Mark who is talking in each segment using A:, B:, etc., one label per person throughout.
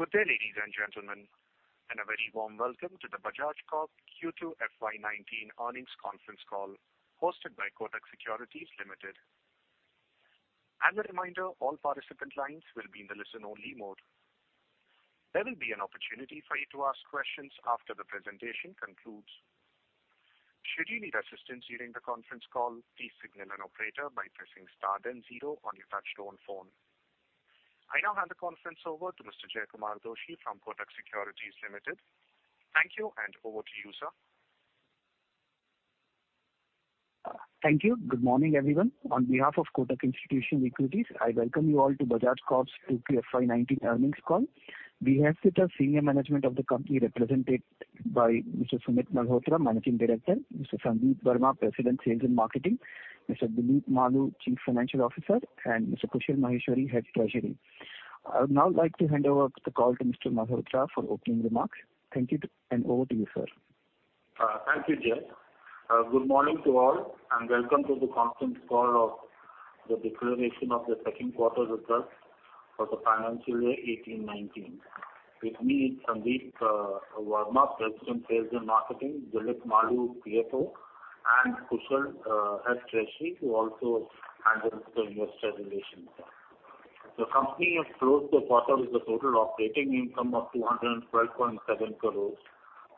A: Good day, ladies and gentlemen, and a very warm welcome to the Bajaj Consumer Care Q2 FY 2019 earnings conference call hosted by Kotak Securities Limited. As a reminder, all participant lines will be in the listen-only mode. There will be an opportunity for you to ask questions after the presentation concludes. Should you need assistance during the conference call, please signal an operator by pressing star then 0 on your touchtone phone. I now hand the conference over to Mr. Jaykumar Doshi from Kotak Securities Limited. Thank you, and over to you, sir.
B: Thank you. Good morning, everyone. On behalf of Kotak Institutional Equities, I welcome you all to Bajaj Consumer Care's Q2 FY 2019 earnings call. We have with us senior management of the company represented by Mr. Sumit Malhotra, Managing Director, Mr. Sandeep Verma, President, Sales and Marketing, Mr. Dilip Maloo, Chief Financial Officer, and Mr. Kushal Maheshwari, Head Treasury. I would now like to hand over the call to Mr. Malhotra for opening remarks. Thank you, and over to you, sir.
C: Thank you, Jay. Good morning to all. Welcome to the conference call of the declaration of the second quarter results for the financial year 2018/2019. With me is Sandeep Verma, President, Sales and Marketing; Dilip Maloo, CFO; and Kushal, Head Treasury, who also handles the investor relations. The company has closed the quarter with a total operating income of 212.7 crores.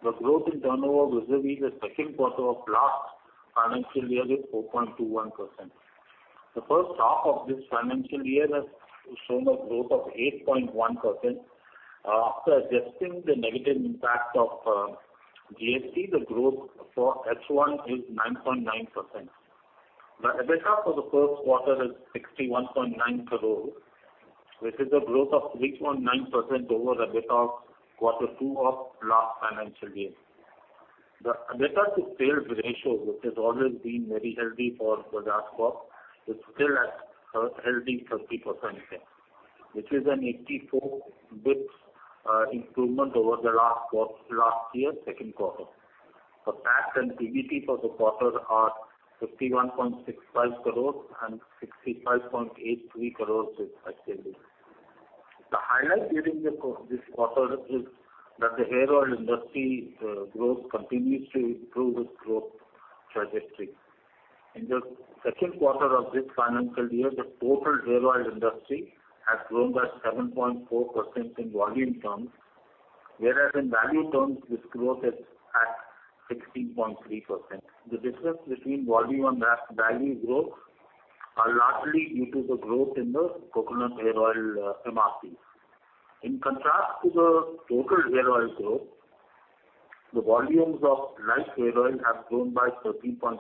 C: The growth in turnover vis-à-vis the second quarter of last financial year is 4.21%. The first half of this financial year has shown a growth of 8.1%. After adjusting the negative impact of GST, the growth for H1 is 9.9%. The EBITDA for the first quarter is 61.9 crores, which is a growth of 3.9% over EBITDA quarter two of last financial year. The EBITDA to sales ratio, which has always been very healthy for Bajaj Consumer Care, is still at a healthy 30%, which is an 84 basis points improvement over the last year, second quarter. The tax and PBT for the quarter are 51.65 crores and 65.83 crores, respectively. The highlight during this quarter is that the hair oil industry growth continues to improve its growth trajectory. In the second quarter of this financial year, the total hair oil industry has grown by 7.4% in volume terms, whereas in value terms, this growth is at 16.3%. The difference between volume and value growth are largely due to the growth in the coconut hair oil MRPs. In contrast to the total hair oil growth, the volumes of light hair oil have grown by 13.6%,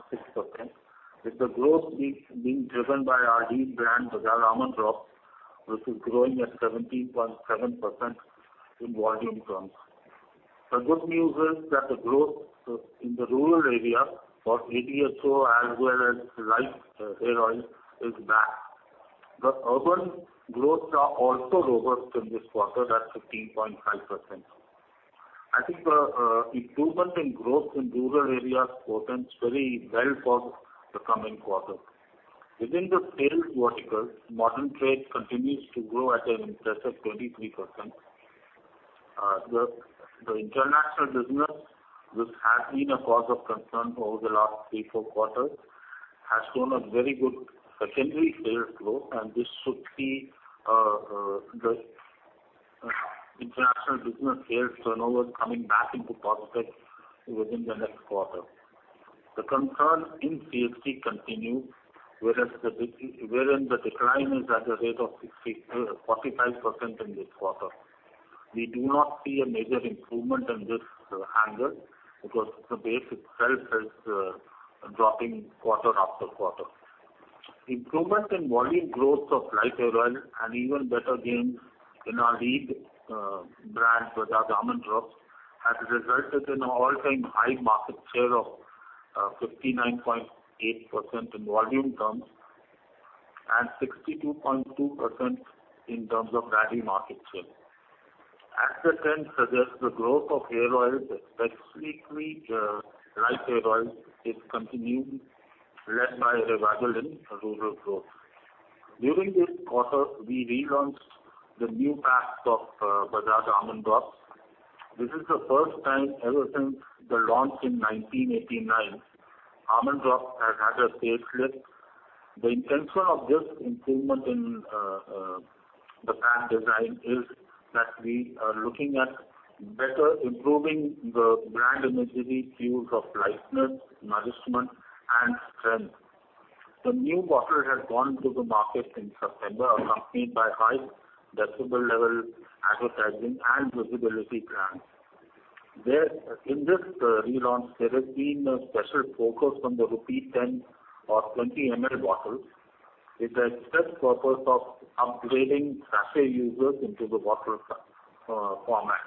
C: with the growth being driven by our lead brand, Bajaj Almond Drops, which is growing at 17.7% in volume terms. The good news is that the growth in the rural area for ADHO as well as light hair oil is back. The urban growth are also robust in this quarter at 15.5%. I think the improvement in growth in rural areas portends very well for the coming quarter. Within the sales vertical, modern trade continues to grow at an impressive 23%. This should see the international business sales turnover coming back into positive within the next quarter. The concern in CSD continues, wherein the decline is at the rate of 45% in this quarter. We do not see a major improvement in this angle because the base itself is dropping quarter after quarter. Improvement in volume growth of light hair oil and even better gains in our lead brand, Bajaj Almond Drops, has resulted in an all-time high market share of 59.8% in volume terms and 62.2% in terms of value market share. As the trend suggests, the growth of hair oils, especially light hair oils, is continuing, led by a revival in rural growth. During this quarter, we relaunched the new packs of Bajaj Almond Drops. This is the first time ever since the launch in 1989, Almond Drops has had a facelift. The intention of this improvement in the pack design is that we are looking at better improving the brand imagery cues of lightness, nourishment, and strength. The new bottle has gone to the market in September, accompanied by high decibel level advertising and visibility plans. In this relaunch, there has been a special focus on the rupee 10 or 20 ml bottles with the express purpose of upgrading sachet users into the bottle format.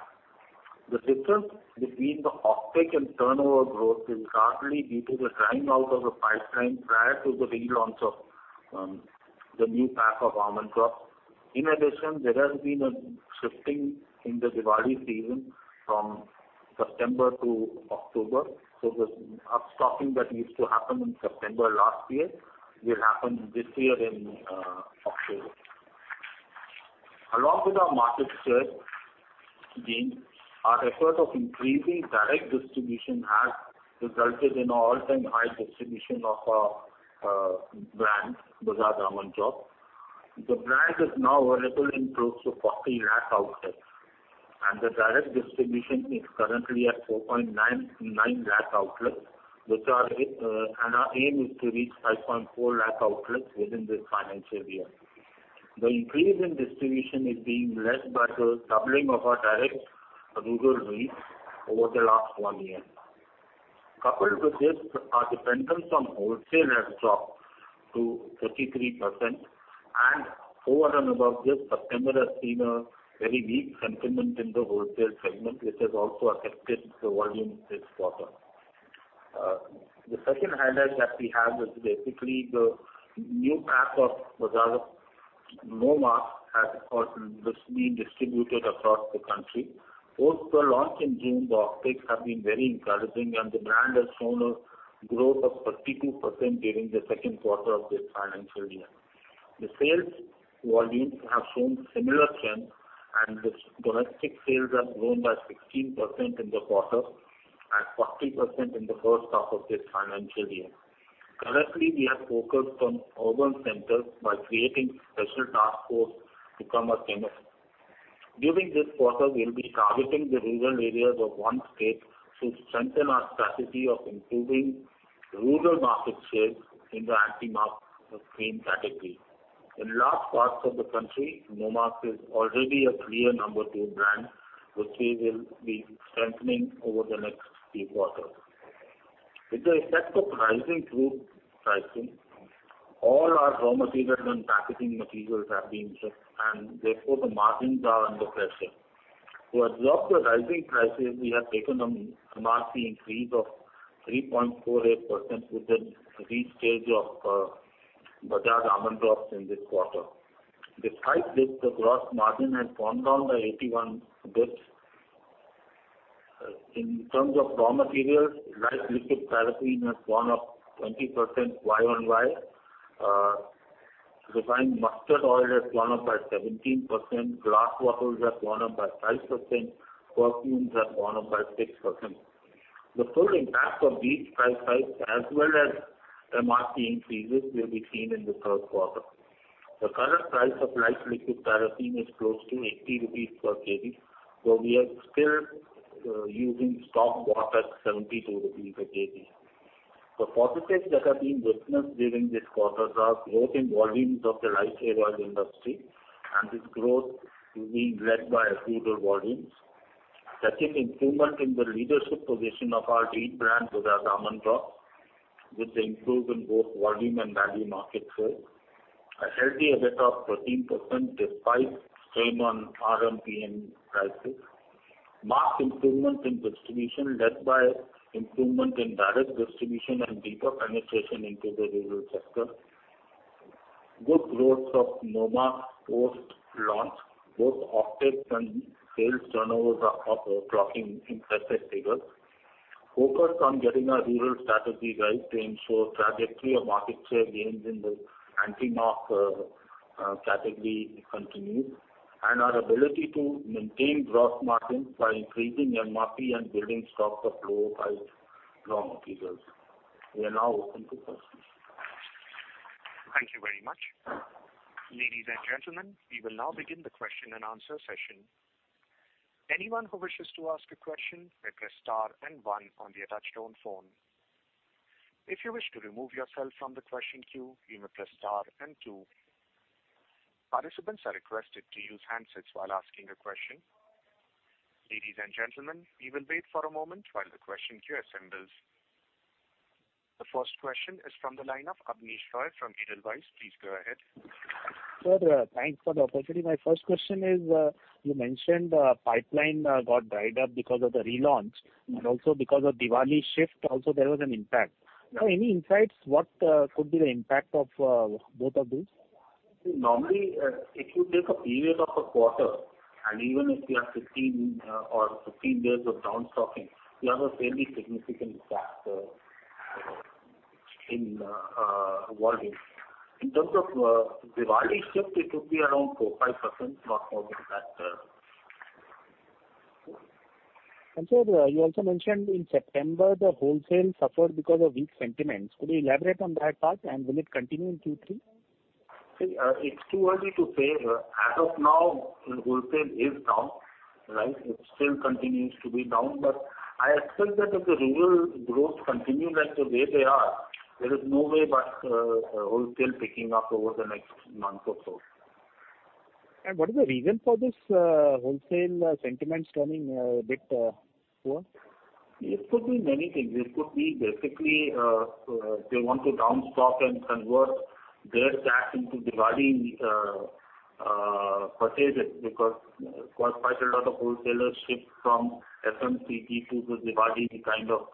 C: The difference between the offtake and turnover growth is largely due to the drying out of the pipeline prior to the relaunch of the new pack of Almond Drops. In addition, there has been a shifting in the Diwali season from September to October. The up stocking that used to happen in September last year will happen this year in October. Along with our market share gain, our effort of increasing direct distribution has resulted in all-time high distribution of our brand, Bajaj Almond Drops. The brand is now available in close to 40 lakh outlets, the direct distribution is currently at 4.99 lakh outlets, and our aim is to reach 5.4 lakh outlets within this financial year. The increase in distribution is being led by the doubling of our direct rural reach over the last one year. Coupled with this, our dependence on wholesale has dropped to 33%. Over and above this, September has seen a very weak sentiment in the wholesale segment, which has also affected the volume this quarter. The second highlight that we have is basically the new pack of Bajaj Nomarks has been distributed across the country. Post the launch in June, the off takes have been very encouraging, and the brand has shown a growth of 32% during the second quarter of this financial year. The sales volumes have shown similar strength, the domestic sales have grown by 16% in the quarter and 30% in the first half of this financial year. Currently, we are focused on urban centers by creating special task force to cover them. During this quarter, we will be targeting the rural areas of one state to strengthen our strategy of improving rural market share in the anti-mark cream category. In large parts of the country, Nomarks is already a clear number two brand, which we will be strengthening over the next few quarters. With the effect of rising crude pricing, all our raw materials and packaging materials have been hit, and therefore the margins are under pressure. To absorb the rising prices, we have taken a MRP increase of 3.48% with the restage of Bajaj Almond Drops in this quarter. Despite this, the gross margin has gone down by 81 basis points. In terms of raw materials, light liquid paraffin has gone up 20% year-on-year. Refined mustard oil has gone up by 17%. Glass bottles have gone up by 5%. Perfumes have gone up by 6%. The full impact of these price hikes, as well as MRP increases, will be seen in the third quarter. The current price of light liquid paraffin is close to 80 rupees per kg, so we are still using stock bought at 72 rupees per kg. The positives that have been witnessed during this quarter are growth in volumes of the light hair oil industry, and this growth is being led by rural volumes. Second, improvement in the leadership position of our lead brand, Bajaj Almond Drops, with the improvement in both volume and value market share. A healthy A&P of 13% despite strain on RMP and prices. Mark improvement in distribution led by improvement in direct distribution and deeper penetration into the rural sector. Good growth of Nomarks post-launch, both offtakes and sales turnovers are clocking impressive figures. Focus on getting our rural strategy right to ensure trajectory of market share gains in the anti-mark category continues, and our ability to maintain gross margins by increasing MRP and building stocks of lower priced raw materials. We are now open to questions.
A: Thank you very much. Ladies and gentlemen, we will now begin the question and answer session. Anyone who wishes to ask a question may press star and one on the touchtone phone. If you wish to remove yourself from the question queue, you may press star and two. Participants are requested to use handsets while asking a question. Ladies and gentlemen, we will wait for a moment while the question queue assembles. The first question is from the line of Abneesh Roy from Edelweiss. Please go ahead.
D: Sir, thanks for the opportunity. My first question is, you mentioned the pipeline got dried up because of the relaunch and also because of Diwali shift also there was an impact. Any insights what could be the impact of both of these?
C: Normally, it would take a period of a quarter, and even if you have 15 days of down stocking, you have a fairly significant factor in volume. In terms of Diwali shift, it would be around 4%-5%, not more than that.
D: Sir, you also mentioned in September the wholesale suffered because of weak sentiments. Could you elaborate on that part, and will it continue in Q3?
C: It's too early to say. As of now, wholesale is down. It still continues to be down, but I expect that if the rural growth continue like the way they are, there is no way but wholesale picking up over the next month or so.
D: What is the reason for this wholesale sentiments turning a bit poor?
C: It could be many things. It could be basically, they want to down stock and convert their cash into Diwali purchases because quite a lot of wholesalers shift from FMCG to the Diwali kind of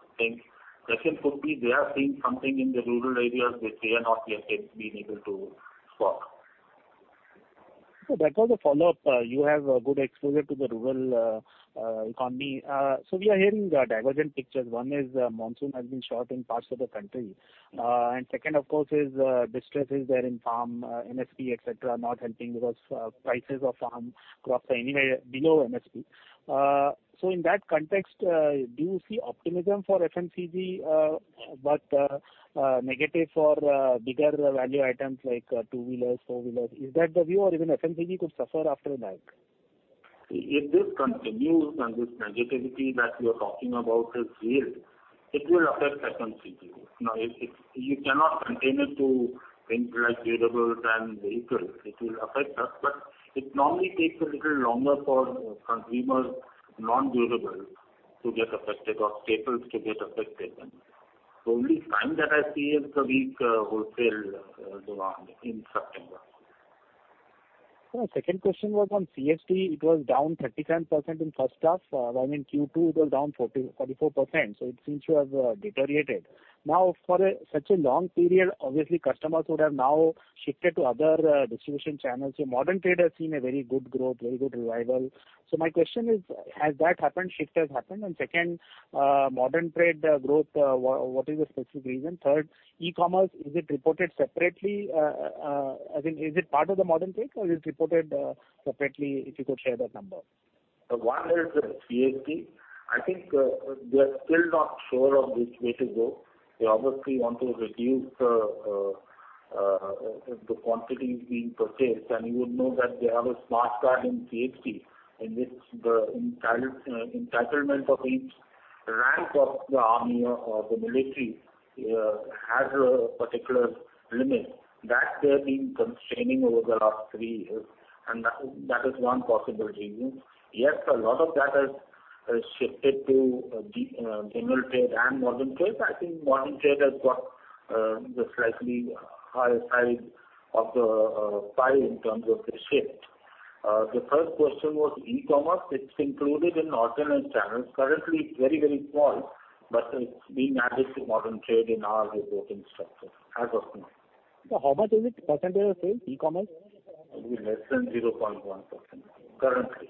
C: things. Second could be they are seeing something in the rural areas which they have not yet been able to spot.
D: That was a follow-up. You have a good exposure to the rural economy. We are hearing divergent pictures. One is monsoon has been short in parts of the country. Second, of course, is distress is there in farm, MSP, et cetera, not helping because prices of farm crops are anyway below MSP. In that context, do you see optimism for FMCG, but negative for bigger value items like two-wheelers, four-wheelers? Is that the view? Or even FMCG could suffer after that.
C: If this continues and this negativity that you're talking about is real, it will affect FMCG. Now you cannot contain it to things like durables and vehicles. It will affect us, but it normally takes a little longer for consumer non-durables to get affected or staples to get affected. The only sign that I see is the weak wholesale demand in September.
D: Sir, my second question was on CSD. It was down 37% in first half. I mean, Q2 it was down 44%. It seems to have deteriorated. Now, for such a long period, obviously customers would have now shifted to other distribution channels. Modern trade has seen a very good growth, very good revival. My question is, has that happened, shift has happened? Second, modern trade growth, what is the specific reason? Third, e-commerce, is it reported separately? I think, is it part of the modern trade, or is it reported separately, if you could share that number?
C: One is CSD. I think they are still not sure of which way to go. They obviously want to reduce the quantities being purchased. You would know that they have a smart card in CSD in which the entitlement of each rank of the army or the military has a particular limit that they've been constraining over the last three years. That is one possible reason. Yes, a lot of that has shifted to general trade and modern trade. I think modern trade has got the slightly higher side of the pie in terms of the shift. The first question was e-commerce, it's included in organized channels. Currently, it's very small, but it's being added to modern trade in our reporting structure as of now.
D: Sir, how much is it percentage of sales, e-commerce?
C: It'll be less than 0.1% currently.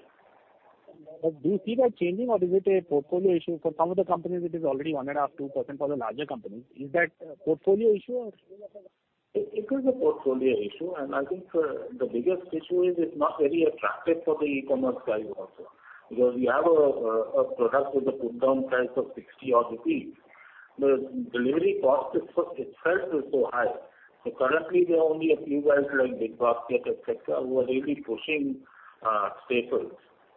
D: Do you see that changing or is it a portfolio issue? For some of the companies, it is already 1.5%, 2% for the larger companies. Is that a portfolio issue?
C: It is a portfolio issue. I think the biggest issue is it's not very attractive for the e-commerce guys also. We have a product with a put down price of 60 rupees odd. The delivery cost itself is so high. Currently there are only a few guys like BigBasket, et cetera, who are really pushing staples.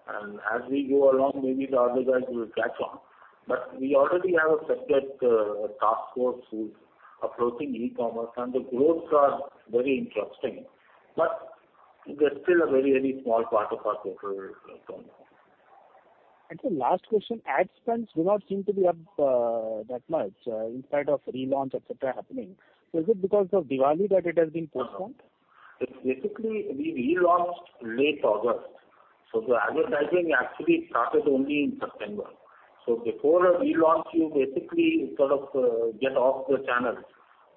C: As we go along, maybe the other guys will catch on. We already have a separate task force who's approaching e-commerce, and the growths are very interesting. They're still a very small part of our total volume.
D: Sir last question. Ad spends do not seem to be up that much in spite of relaunch, et cetera, happening. Is it because of Diwali that it has been postponed?
C: It's basically we relaunched late August, the advertising actually started only in September. Before a relaunch, you basically sort of get off the channels,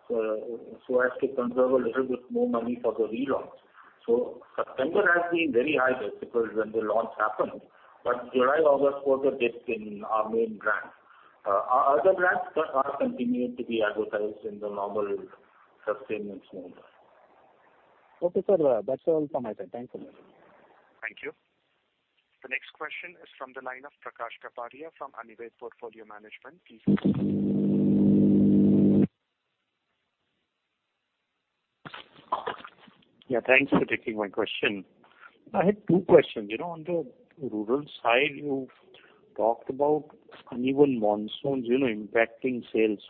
C: so as to conserve a little bit more money for the relaunch. September has been very high, basically when the launch happened. July, August quarter dipped in our main brands. Our other brands are continuing to be advertised in the normal sustenance mode.
D: Okay, sir. That's all from my side. Thank you very much.
C: Thank you.
A: The next question is from the line of Prakash Kapadia from Anived Portfolio Management. Please proceed.
E: Yeah, thanks for taking my question. I had two questions. On the rural side, you talked about uneven monsoons impacting sales.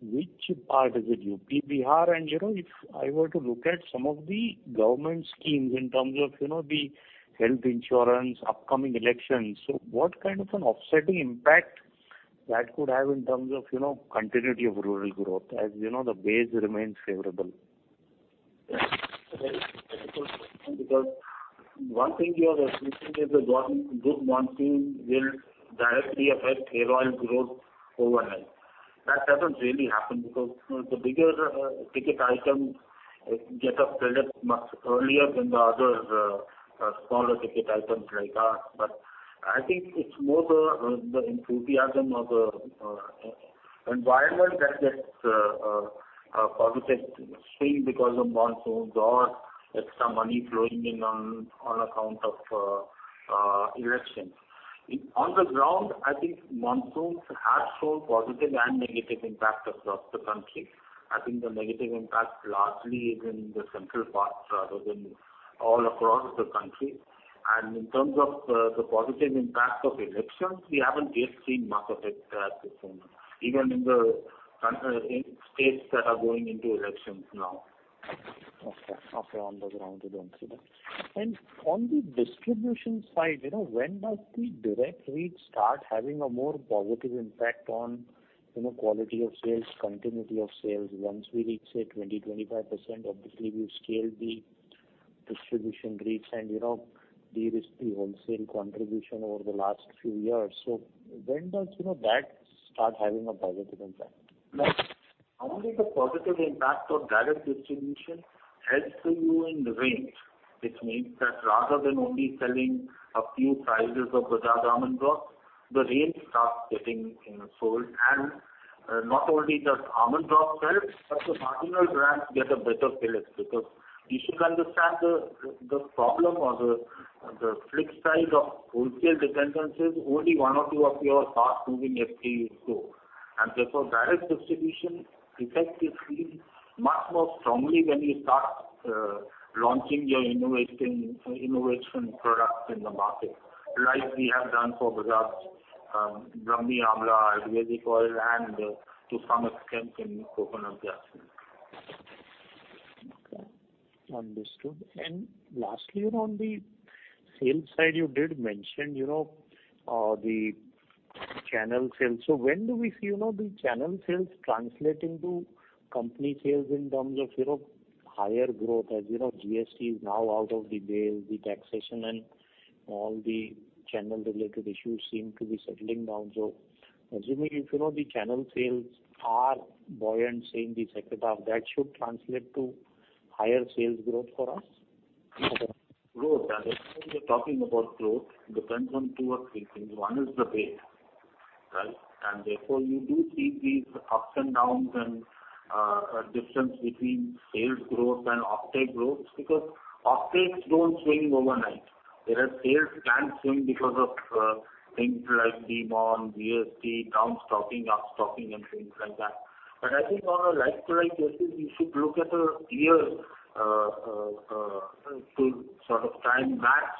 E: Which part is it? U.P., Bihar? If I were to look at some of the government schemes in terms of the health insurance, upcoming elections, so what kind of an offsetting impact that could have in terms of continuity of rural growth as the base remains favorable?
C: That is a very difficult question because one thing you are assuming is a good monsoon will directly affect Hair Oil growth overnight. That hasn't really happened because the bigger ticket items get affected much earlier than the other smaller ticket items like us. I think it's more the enthusiasm of the environment that gets a positive swing because of monsoons or extra money flowing in on account of elections. On the ground, I think monsoons have shown positive and negative impact across the country. I think the negative impact largely is in the central parts rather than all across the country. In terms of the positive impact of elections, we haven't yet seen much effect at this point, even in the states that are going into elections now.
E: Okay. On the ground, you don't see that. On the distribution side, when does the direct reach start having a more positive impact on quality of sales, continuity of sales? Once we reach, say, 20%-25%, obviously we've scaled the distribution reach and de-risked the wholesale contribution over the last few years. When does that start having a positive impact?
C: Only the positive impact of direct distribution helps you in range, which means that rather than only selling a few sizes of Bajaj Almond Drops, the range starts getting sold. Not only does Almond Drops sell, but the marginal brands get a better fill-in, because you should understand the problem or the flip side of wholesale dependencies, only one or two of your fast-moving FPGs go. Therefore, direct distribution effectively, much more strongly when you start launching your innovation products in the market. Like we have done for Bajaj Brahmi Amla Ayurvedic Hair Oil and to some extent in Coco Jasmine.
E: Okay. Understood. Lastly, on the sales side, you did mention the channel sales. When do we see the channel sales translating to company sales in terms of higher growth? As you know, GST is now out of the way, the taxation and all the channel-related issues seem to be settling down. Assuming if the channel sales are buoyant in the second half, that should translate to higher sales growth for us?
C: Growth. Whenever we are talking about growth, depends on two or three things. One is the base. Therefore, you do see these ups and downs and difference between sales growth and offtake growth because offtakes don't swing overnight. Whereas sales can swing because of things like demand, GST, down stocking, up stocking, and things like that. I think on a like-to-like basis, you should look at a year to sort of time match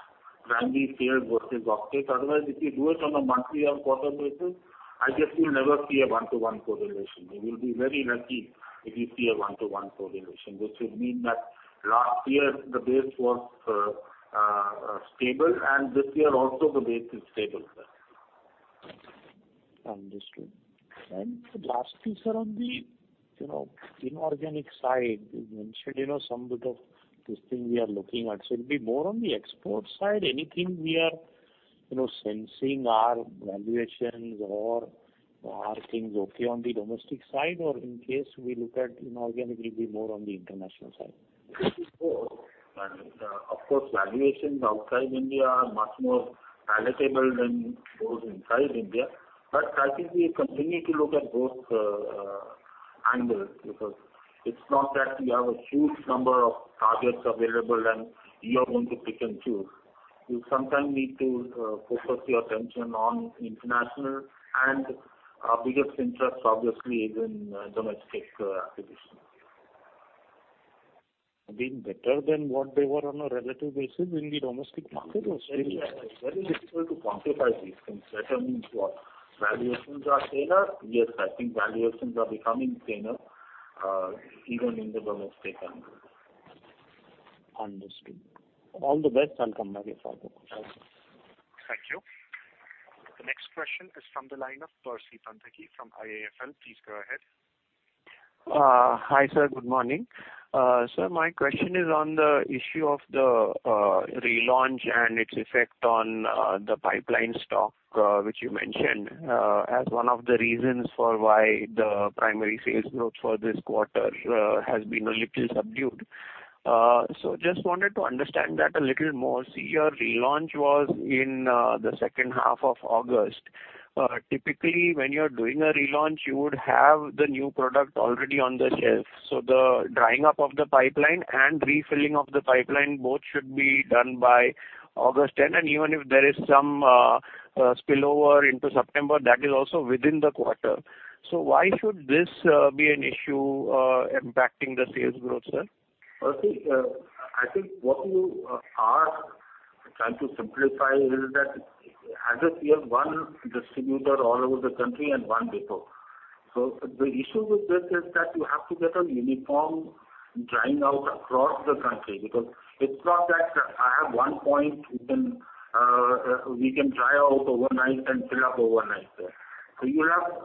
C: brand sales versus offtakes. Otherwise, if you do it on a monthly or quarter basis, I guess you'll never see a one-to-one correlation. You will be very lucky if you see a one-to-one correlation, which would mean that last year the base was stable, and this year also the base is stable.
E: Understood. Lastly, sir, on the inorganic side, you mentioned some bit of this thing we are looking at. It'll be more on the export side, anything we are sensing or valuations or are things okay on the domestic side? In case we look at inorganic, it'll be more on the international side.
C: Of course, valuations outside India are much more palatable than those inside India. I think we continue to look at both angles because it's not that we have a huge number of targets available and we are going to pick and choose. You sometimes need to focus your attention on international and our biggest interest obviously is in domestic acquisitions.
E: Being better than what they were on a relative basis in the domestic market also?
C: It's very difficult to quantify these things. Valuations are fairer. Yes, I think valuations are becoming fairer even in the domestic angle.
E: Understood. All the best on coming up with all the questions.
C: Thank you.
A: The next question is from the line of Percy Panthaki from IIFL. Please go ahead.
F: Hi, sir. Good morning. Sir, my question is on the issue of the relaunch and its effect on the pipeline stock which you mentioned as one of the reasons for why the primary sales growth for this quarter has been a little subdued. Just wanted to understand that a little more. Your relaunch was in the second half of August. Typically, when you're doing a relaunch, you would have the new product already on the shelf. The drying up of the pipeline and refilling of the pipeline both should be done by August 10. Even if there is some spillover into September, that is also within the quarter. Why should this be an issue impacting the sales growth, sir?
C: Percy, I think what you are trying to simplify is that as of here, one distributor all over the country and one depot. The issue with this is that you have to get a uniform drying out across the country, because it's not that I have one point we can dry out overnight and fill up overnight there. You have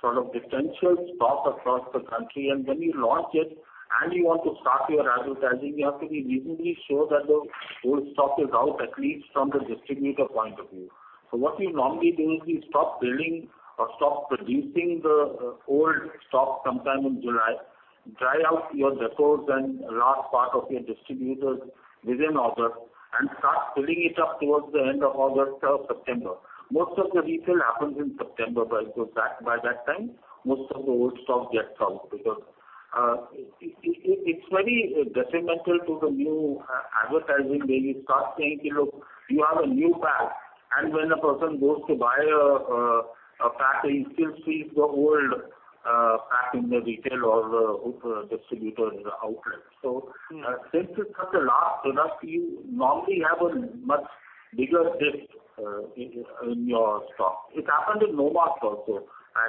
C: sort of potential stock across the country, and when you launch it and you want to start your advertising, you have to be reasonably sure that the whole stock is out, at least from the distributor point of view. What you normally do is you stop filling or stop producing the old stock sometime in July, dry out your depots and last part of your distributors within August, and start filling it up towards the end of August or September. Most of the refill happens in September, by that time, most of the old stock gets out because it's very detrimental to the new advertising when you start saying you have a new pack, and when a person goes to buy a pack, he still sees the old pack in the retail or distributor outlet. Since it's such a large product, you normally have a much bigger dip in your stock. It happened in Nomarks also.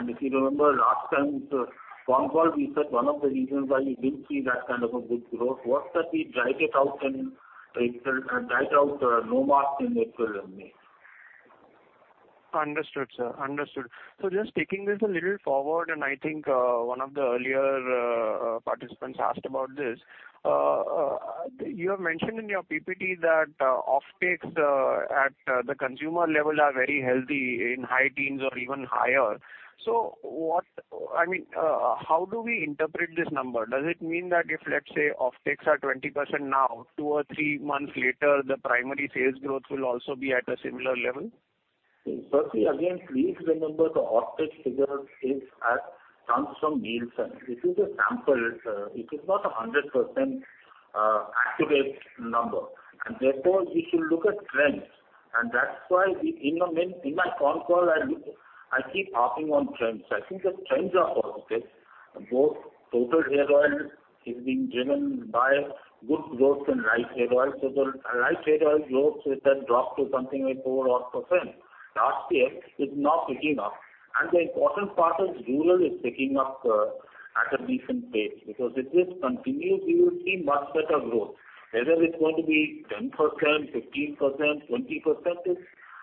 C: If you remember last time, conf call, we said one of the reasons why you didn't see that kind of a good growth was that we dried it out in retail and dried out Nomarks in April and May.
F: Understood, sir. Just taking this a little forward, I think one of the earlier participants asked about this. You have mentioned in your PPT that offtakes at the consumer level are very healthy, in high teens or even higher. How do we interpret this number? Does it mean that if, let's say, offtakes are 20% now, two or three months later, the primary sales growth will also be at a similar level?
C: See, Prithvi, again, please remember the offtake figure comes from Nielsen. This is a sample. It is not 100% accurate number. Therefore, we should look at trends. That's why in my conf call, I keep harping on trends. I think the trends are positive. Both total hair oil is being driven by good growth in light hair oil. The light hair oil growth, which had dropped to something like 4% last year, is now picking up. The important part is rural is picking up at a decent pace, because if this continues, we will see much better growth. Whether it's going to be 10%, 15%, 20%,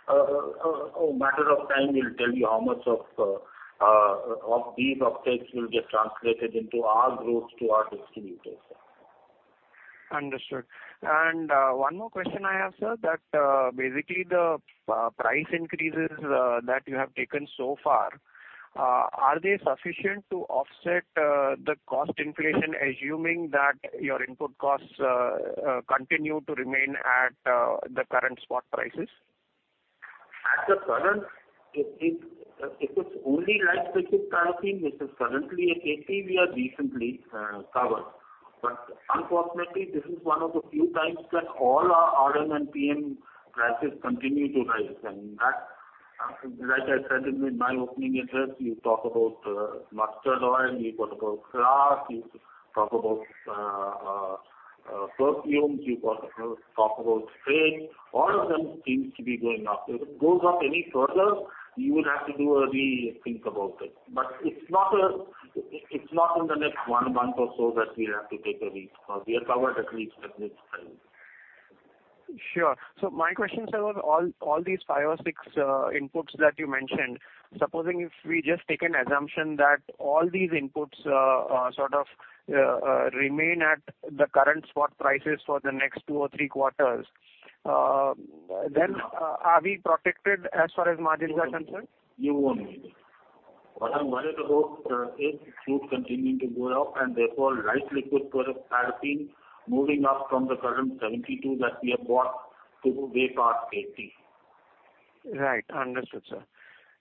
C: a matter of time will tell you how much of these offtakes will get translated into our growth to our distributors.
F: Understood. One more question I have, sir, that basically the price increases that you have taken so far, are they sufficient to offset the cost inflation, assuming that your input costs continue to remain at the current spot prices?
C: As of current, if it's only light liquid paraffin, which is currently at 80, we are decently covered. Unfortunately, this is one of the few times that all our RM and PM prices continue to rise. Like I said in my opening address, you talk about mustard oil, you talk about glass, you talk about perfumes, you talk about tin, all of them seems to be going up. If it goes up any further, you would have to do a rethink about it. It's not in the next one month or so that we have to take a rethink. We are covered at least at this time.
F: Sure. My question, sir, was all these five or six inputs that you mentioned, supposing if we just take an assumption that all these inputs sort of remain at the current spot prices for the next two or three quarters, then are we protected as far as margins are concerned?
C: You won't be. What I'm worried about is crude continuing to go up, and therefore, light liquid paraffin moving up from the current 72 that we have bought to way past 80.
F: Right. Understood, sir.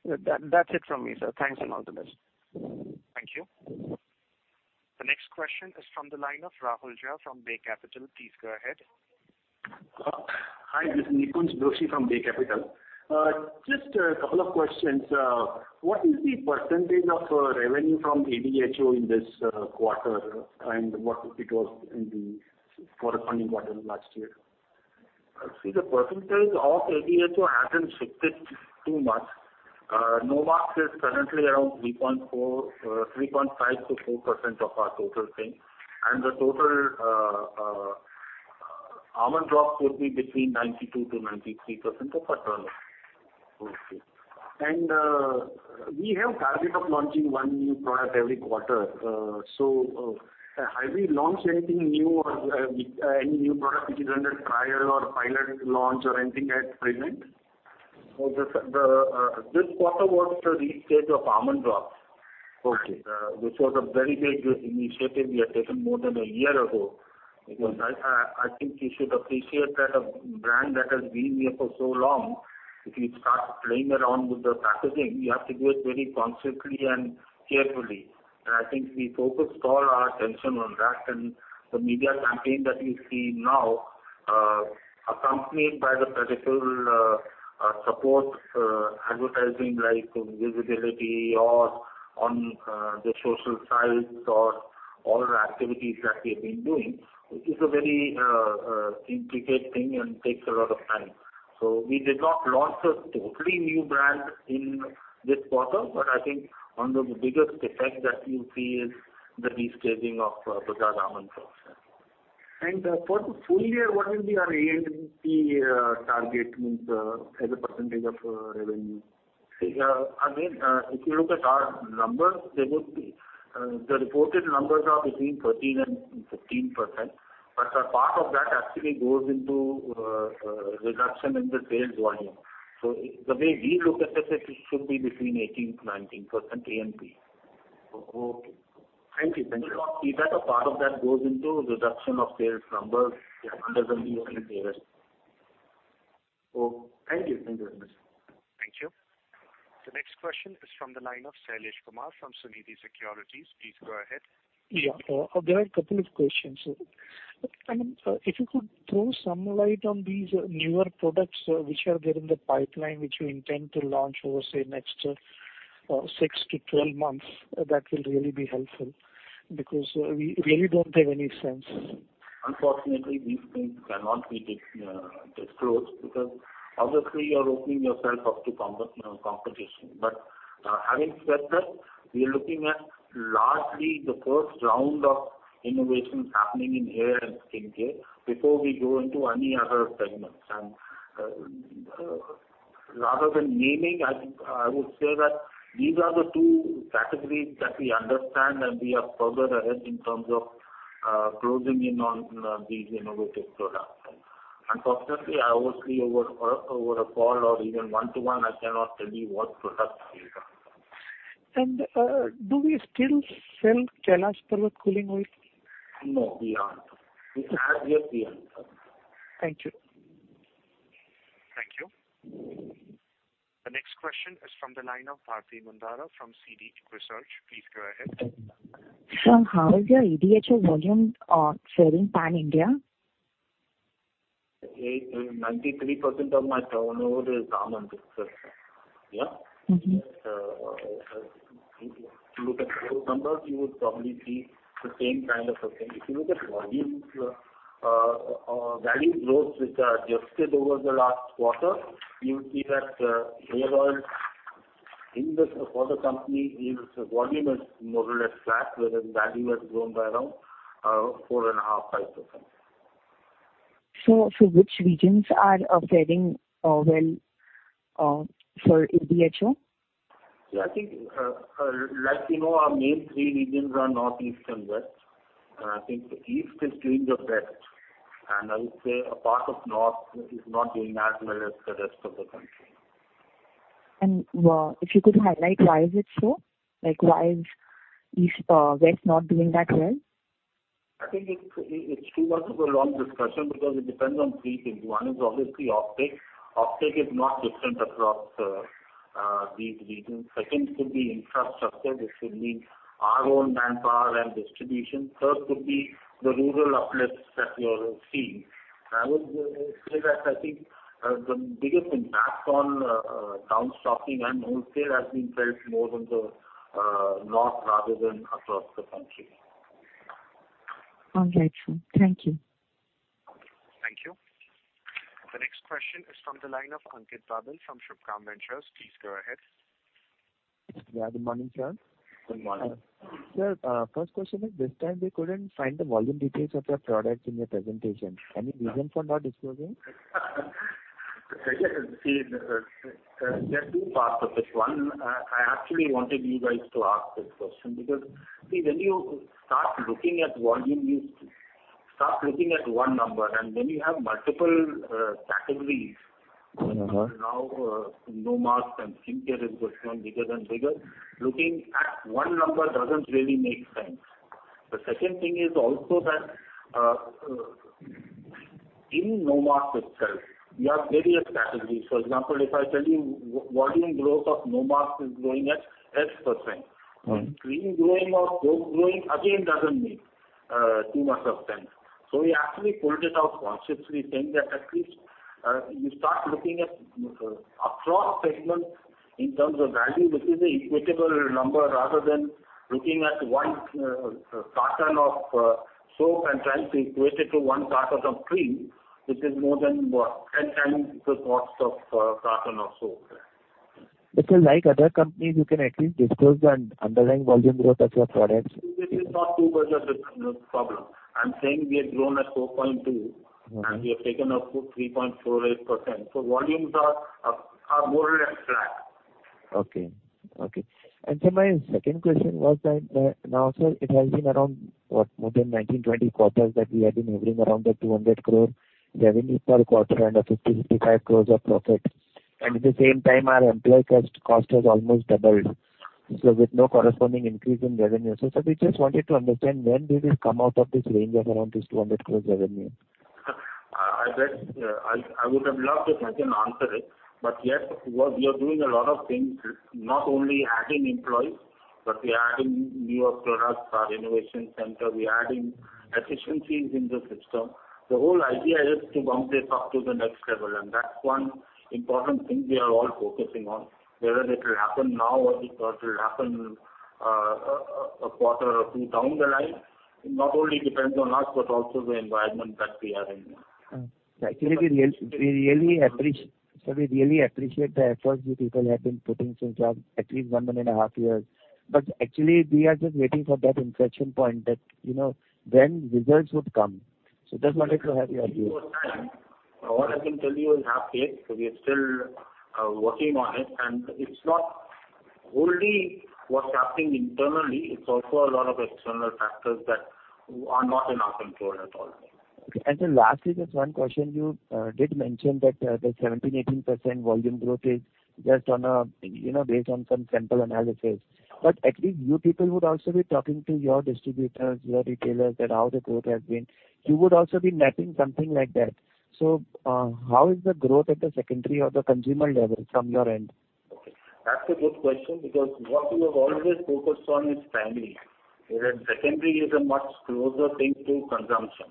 F: That's it from me, sir. Thanks and all the best.
A: Thank you. The next question is from the line of Rahul Jha from Bay Capital. Please go ahead.
G: Hi, this is Nikunj Doshi from Bay Capital. Just a couple of questions. What is the % of revenue from ADHO in this quarter, and what it was in the corresponding quarter last year?
C: The percentage of ADHO hasn't shifted too much. Nomarks is currently around 3.5%-4% of our total sales. The total Almond Drops would be between 92%-93% of our turnover.
H: We have target of launching one new product every quarter. Have we launched anything new or any new product which is under trial or pilot launch or anything at present?
C: This quarter was the restage of Almond Drops.
H: Okay.
C: It was a very big initiative we had taken more than a year ago. I think you should appreciate that a brand that has been here for so long, if you start playing around with the packaging, you have to do it very consciously and carefully. I think we focused all our attention on that, and the media campaign that you see now, accompanied by the pedestal support advertising, like visibility or on the social sites or all the activities that we've been doing, it is a very intricate thing and takes a lot of time. We did not launch a totally new brand in this quarter, but I think one of the biggest effect that you'll see is the restaging of Bajaj Almond Drops.
H: For the full year, what will be our A&P target as a percentage of revenue?
C: Again, if you look at our numbers, the reported numbers are between 13% and 15%, but a part of that actually goes into reduction in the sales volume. The way we look at it should be between 18% to 19% A&P.
H: Okay. Thank you.
C: A part of that goes into reduction of sales numbers. It doesn't mean negative.
H: Okay. Thank you.
A: Thank you. The next question is from the line of Shailesh Kumar from Suniti Securities. Please go ahead.
I: Yeah. There are a couple of questions. If you could throw some light on these newer products which are there in the pipeline, which you intend to launch over, say, next 6 to 12 months, that will really be helpful, because we really don't have any sense.
C: Unfortunately, these things cannot be disclosed, because obviously you're opening yourself up to competition. Having said that, we are looking at largely the first round of innovations happening in hair and skin care before we go into any other segments. Rather than naming, I would say that these are the two categories that we understand, and we are further ahead in terms of closing in on these innovative products. Unfortunately, obviously, over a call or even one-to-one, I cannot tell you what products these are.
I: Do we still sell Kailash Parbat cooling oil?
C: No, we aren't. We have Thank you.
A: Thank you. The next question is from the line of Bharti Mundara from CD Research. Please go ahead.
J: Sir, how is your ADHO volume faring pan-India?
C: 93% of my turnover is If you look at those numbers, you would probably see the same kind of a thing. If you look at volume or value growth, which are adjusted over the last quarter, you will see that hair oil for the company, its volume is more or less flat, whereas value has grown by around 4.5%, 5%.
J: Which regions are faring well for ADHO?
C: I think, like you know, our main three regions are Northeast and West. I think the East is doing the best. I would say a part of North is not doing as well as the rest of the country.
J: If you could highlight why is it so? Why is West not doing that well?
C: I think it's too much of a long discussion because it depends on three things. One is obviously uptake. Uptake is not different across these regions. Second could be infrastructure. This could mean our own manpower and distribution. Third could be the rural uplifts that we are seeing. I would say that I think the biggest impact on town stocking and wholesale has been felt more on the North rather than across the country.
J: All right, sir. Thank you.
A: Thank you. The next question is from the line of Ankit Babel from Shubhkam Ventures. Please go ahead.
K: Yeah, good morning, sir.
C: Good morning.
K: Sir, first question is this time we couldn't find the volume details of your products in your presentation. Any reason for not disclosing?
C: There are two parts of this. One, I actually wanted you guys to ask this question because when you start looking at volume, you start looking at one number, and when you have multiple categories- Nomarks and skin care is becoming bigger and bigger, looking at one number doesn't really make sense. The second thing is also that in Nomarks itself, we have various categories. For example, if I tell you volume growth of Nomarks is growing at X%, or cream growing or soap growing, again, doesn't make too much of sense. We actually pulled it out consciously saying that at least you start looking at across segments in terms of value, which is an equitable number, rather than looking at one carton of soap and trying to equate it to one carton of cream, which is more than 10 times the cost of a carton of soap.
K: Sir, like other companies, you can at least disclose the underlying volume growth of your products.
C: This is not too much of a problem. I'm saying we have grown at 4.2%, and we have taken up to 3.48%. Volumes are more or less flat.
K: sir, my second question was that, now sir, it has been around more than 19, 20 quarters that we have been hovering around the 200 crore revenue per quarter and an 50 crore-55 crore of profit. At the same time, our employee cost has almost doubled, with no corresponding increase in revenue. Sir, we just wanted to understand when we will come out of this range of around this 200 crore revenue.
C: I would have loved it had an answer, yet we are doing a lot of things, not only adding employees, but we are adding newer products, our innovation center. We are adding efficiencies in the system. The whole idea is to bump this up to the next level, that's one important thing we are all focusing on. Whether it'll happen now or it will happen a quarter or two down the line, it not only depends on us, but also the environment that we are in.
K: Sir, we really appreciate the efforts you people have been putting since at least one and a half years. Actually, we are just waiting for that inflection point that when results would come. Just wanted to have your views.
C: What I can tell you is have faith. We are still working on it's not only what's happening internally, it's also a lot of external factors that are not in our control at all.
K: Okay. sir, lastly, just one question, you did mention that the 17%-18% volume growth is just based on some sample analysis. At least you people would also be talking to your distributors, your retailers, about how the growth has been. You would also be mapping something like that. How is the growth at the secondary or the consumer level from your end?
C: Okay. That's a good question because what we have always focused on is primary. Whereas secondary is a much closer thing to consumption.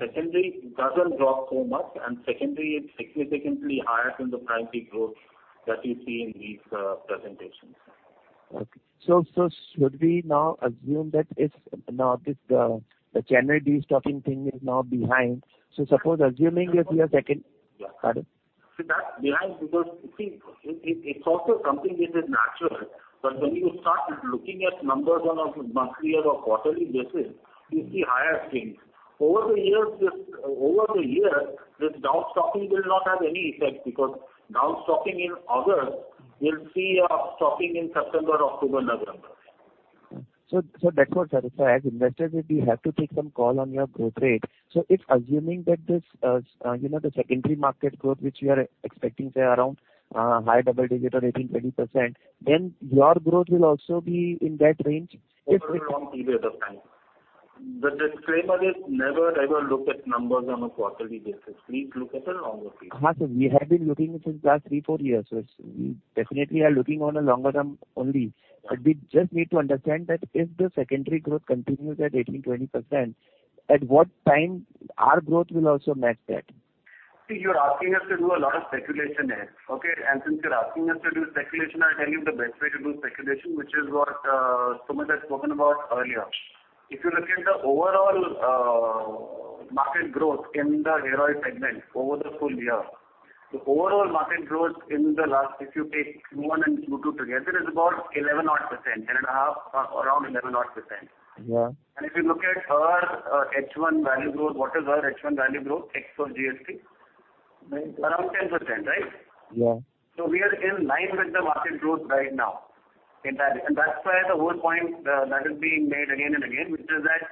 C: Secondary doesn't drop so much, and secondary is significantly higher than the primary growth that you see in these presentations.
K: Okay. Should we now assume that the channel destocking thing is now behind? Suppose, assuming that we are second. Pardon?
C: See. That's behind because, you see, it's also something which is natural, but when you start looking at numbers on a monthly or quarterly basis, you see higher things
H: Over the years, this downstocking will not have any effect because downstocking in August will see a stocking in September, October, November.
K: That's what, sir. As investors, we have to take some call on your growth rate. If assuming that the secondary market growth, which we are expecting, say, around high double digit or 18%, 20%, then your growth will also be in that range?
H: Over a long period of time. The disclaimer is never, ever look at numbers on a quarterly basis. Please look at a longer period.
K: Sir, we have been looking since last three, four years. We definitely are looking on a longer term only. We just need to understand that if the secondary growth continues at 18%, 20%, at what time our growth will also match that?
H: See, you're asking us to do a lot of speculation there. Okay? Since you're asking us to do speculation, I'll tell you the best way to do speculation, which is what Sumit has spoken about earlier. If you look at the overall market growth in the hair oil segment over the full year, the overall market growth in the last, if you take Q1 and Q2 together, is about 11 odd %, around 11 odd %.
K: Yeah.
H: If you look at our H1 value growth, what is our H1 value growth ex of GST? Around 10%, right?
K: Yeah.
H: We are in line with the market growth right now, entirely. That's why the whole point that is being made again and again, which is that,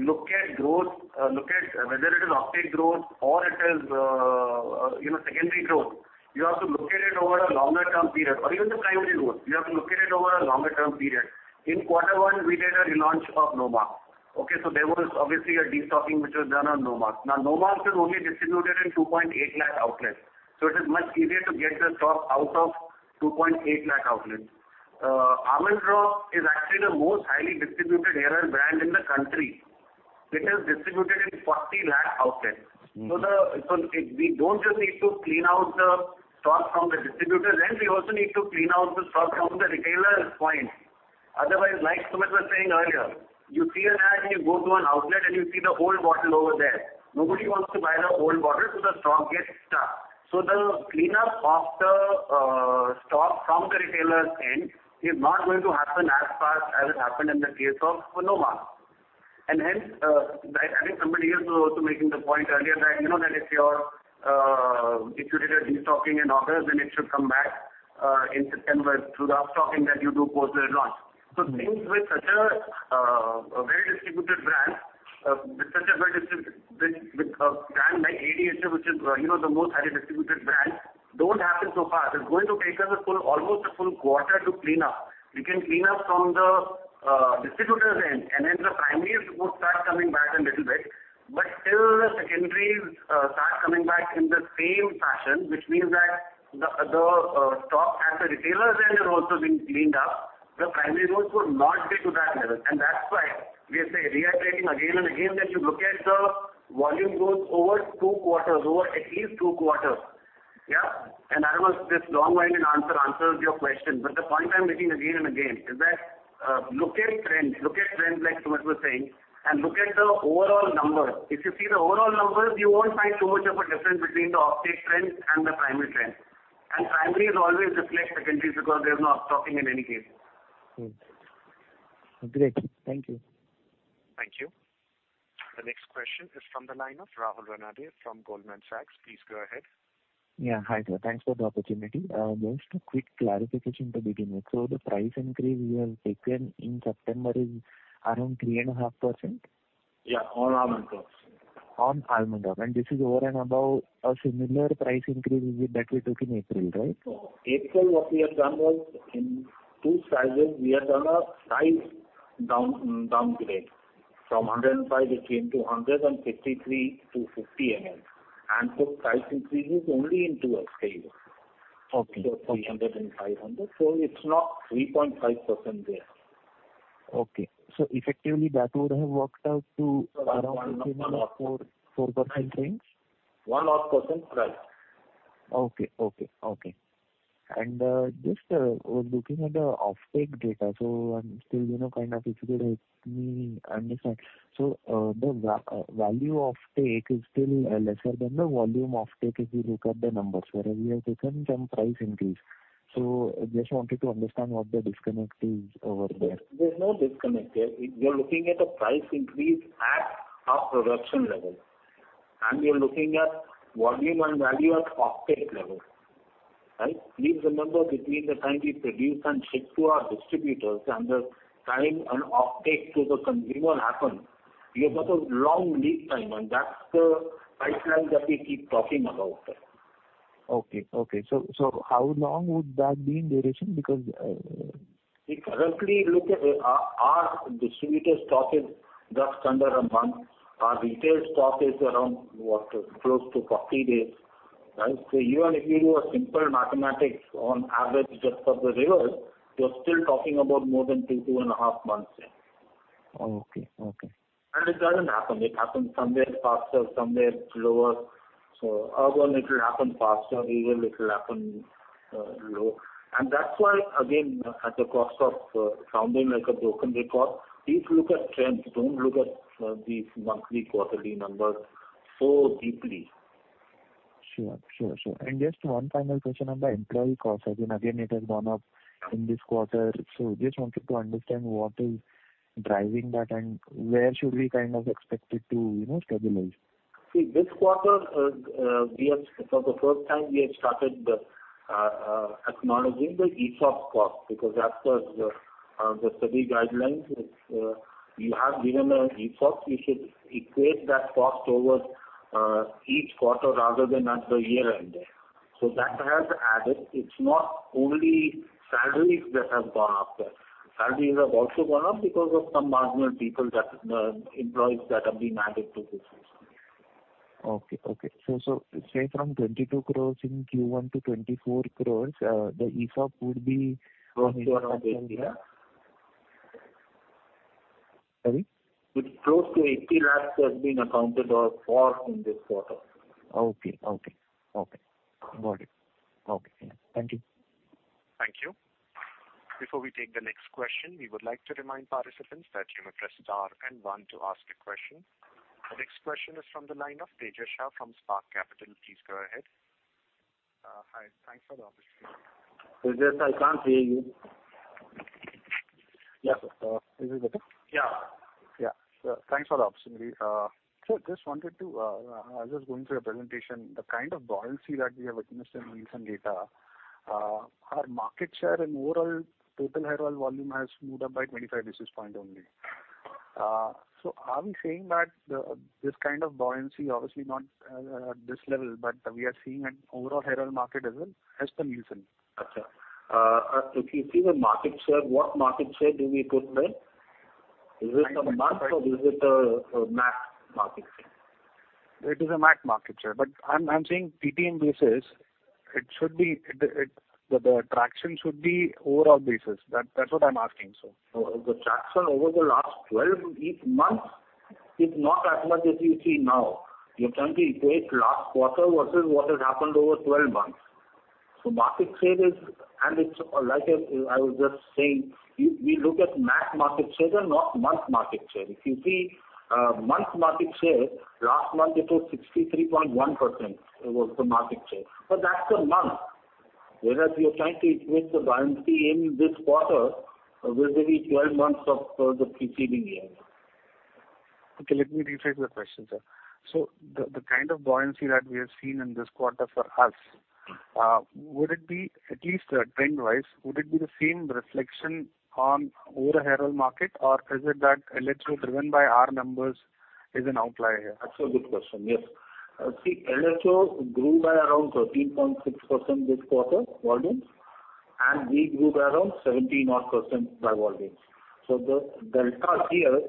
H: look at growth, look at whether it is offtake growth or it is secondary growth. You have to look at it over a longer term period, or even the primary growth. You have to look at it over a longer term period. In quarter one, we did a relaunch of Nova. Okay, there was obviously a destocking which was done on Nova. Nova is only distributed in 2.8 lakh outlets. It is much easier to get the stock out of 2.8 lakh outlets. Almond Drops is actually the most highly distributed hair oil brand in the country. It is distributed in 40 lakh outlets. We don't just need to clean out the stock from the distributor's end, we also need to clean out the stock from the retailer's point. Otherwise, like Sumit was saying earlier, you see an ad, you go to an outlet, and you see the old bottle over there. Nobody wants to buy the old bottle, the stock gets stuck. The cleanup of the stock from the retailer's end is not going to happen as fast as it happened in the case of Nova. Hence, I think somebody here was also making the point earlier that, if you did a destocking in August, it should come back in September through the upstocking that you do post the launch. Things with such a very distributed brand, with a brand like AD, which is the most highly distributed brand, don't happen so fast. It's going to take us almost a full quarter to clean up. We can clean up from the distributor's end, the primary routes start coming back a little bit. Till the secondaries start coming back in the same fashion, which means that the stock at the retailer's end has also been cleaned up, the primary routes would not be to that level. That's why we are saying, reiterating again and again, that you look at the volume growth over two quarters, over at least two quarters. Yeah. I don't know if this long-winded answer answers your question, but the point I'm making again and again is that look at trends like Sumit was saying, look at the overall numbers. If you see the overall numbers, you won't find so much of a difference between the offtake trends and the primary trends. Primary is always reflect secondaries because there's no upstocking in any case.
K: Great. Thank you.
A: Thank you. The next question is from the line of Rahul Ranade from Goldman Sachs. Please go ahead.
L: Yeah. Hi, sir. Thanks for the opportunity. Just a quick clarification to begin with. The price increase you have taken in September is around 3.5%?
H: Yeah. On Almond Drops.
K: On Almond Drops. This is over and above a similar price increase that we took in April, right?
H: April, what we have done was in two sizes, we have done a size downgrade. From 105, it came to 153 to 50 ML. Price increase is only in two scales.
K: Okay.
H: 300 and 500. It is not 3.5% there.
K: Okay. Effectively, that would have worked out to around 4% range?
H: One-off % price. Okay. Just looking at the offtake data, I'm still kind of, if you could help me understand. The value offtake is still lesser than the volume offtake if you look at the numbers, whereas we have taken some price increase. I just wanted to understand what the disconnect is over there. There's no disconnect there. You're looking at a price increase at a production level, and we are looking at volume and value at offtake level, right? Please remember, between the time we produce and ship to our distributors and the time an offtake to the consumer happens, you've got a long lead time, and that's the pipeline that we keep talking about. Okay. How long would that be in duration? If currently you look at our distributor stock is just under a month. Our retail stock is around close to 40 days, right? Even if you do a simple mathematics on average, just for the averages, you're still talking about more than two and a half months there.
K: Okay.
H: It doesn't happen. It happens somewhere faster, somewhere slower. Urban, it will happen faster, rural, it will happen slower. That's why, again, at the cost of sounding like a broken record, please look at trends. Don't look at these monthly, quarterly numbers so deeply.
K: Sure. Just one final question on the employee cost. Again, it has gone up in this quarter, just wanted to understand what is driving that and where should we expect it to stabilize.
C: This quarter, for the first time, we have started acknowledging the ESOP cost because as per the SEBI guidelines, if you have given an ESOP, you should equate that cost over each quarter rather than at the year-end. That has added. It's not only salaries that have gone up. Salaries have also gone up because of some marginal employees that have been added to this also.
L: Say from 22 crores in Q1 to 24 crores, the ESOP would be-
C: Close to around. Sorry? It's close to 80 lakhs that's been accounted or parked in this quarter.
K: Okay. Got it. Okay. Thank you.
A: Thank you. Before we take the next question, we would like to remind participants that you may press star and one to ask a question. The next question is from the line of Tejash Shah from Spark Capital. Please go ahead.
M: Hi. Thanks for the opportunity.
C: Tejash, I can't hear you.
M: Yeah. Is this better?
C: Yeah.
M: Yeah. Thanks for the opportunity. Sir, I was just going through your presentation. The kind of buoyancy that we have witnessed in Nielsen data, our market share and overall total hair oil volume has moved up by 25 basis points only. Are we saying that this kind of buoyancy, obviously not at this level, but we are seeing an overall hair oil market as well as the Nielsen?
C: If you see the market share, what market share do we put there? Is it a month or is it a MAC market share?
M: It is a MAC market share. I'm saying TTM basis, the traction should be overall basis. That's what I'm asking, sir.
C: The traction over the last 12 months is not as much as you see now. You're trying to equate last quarter versus what has happened over 12 months. Market share is like I was just saying, we look at MAC market share and not month market share. If you see month market share, last month it was 63.1% was the market share. That's a month. Whereas you're trying to equate the buoyancy in this quarter with the 12 months of the preceding year.
M: Okay. Let me rephrase the question, sir. The kind of buoyancy that we have seen in this quarter for us, at least trend-wise, would it be the same reflection on over hair oil market or is it that LHO driven by our numbers is an outlier here?
C: That's a good question. Yes. See, LHO grew by around 13.6% this quarter volumes. We grew by around 17% by volumes. The delta here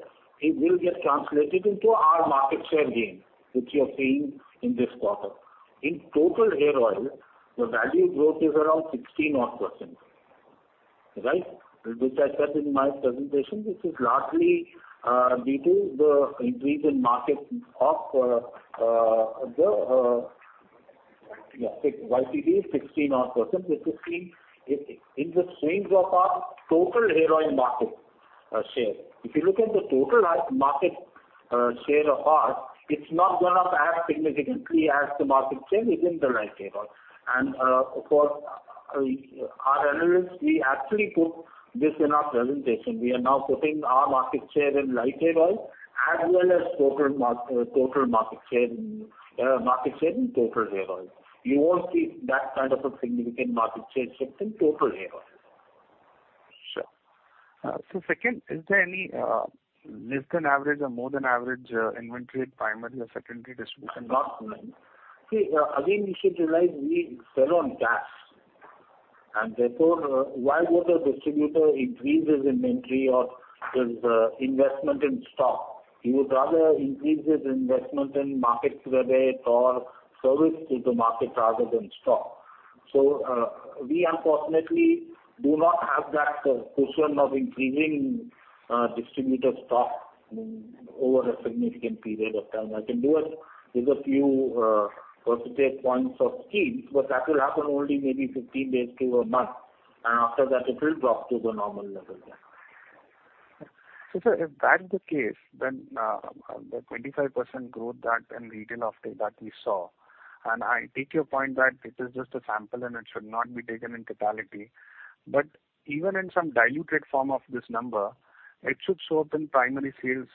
C: will get translated into our market share gain, which you are seeing in this quarter. In total hair oil, the value growth is around 16%, which I said in my presentation. This is largely due to the increase in market of the YTD 16%, which is seen in the swings of our total hair oil market share. If you look at the total market share of ours, it's not gone up as significantly as the market share within the light hair oil. For our analysts, we actually put this in our presentation. We are now putting our market share in light hair oil as well as market share in total hair oil. You won't see that kind of a significant market share shift in total hair oil.
M: Sure. Second, is there any less than average or more than average inventory at primary or secondary distribution level?
C: Not really. See, again, you should realize we sell on cash. Therefore, why would a distributor increase his inventory or his investment in stock? He would rather increase his investment in market credit or service to the market rather than stock. We unfortunately do not have that cushion of increasing distributor stock over a significant period of time. That can do it with a few percentage points of schemes, but that will happen only maybe 15 days to a month, and after that it will drop to the normal level again.
M: Sir, if that is the case, then the 25% growth that in retail off take that we saw, and I take your point that it is just a sample and it should not be taken in totality, but even in some diluted form of this number, it should show up in primary sales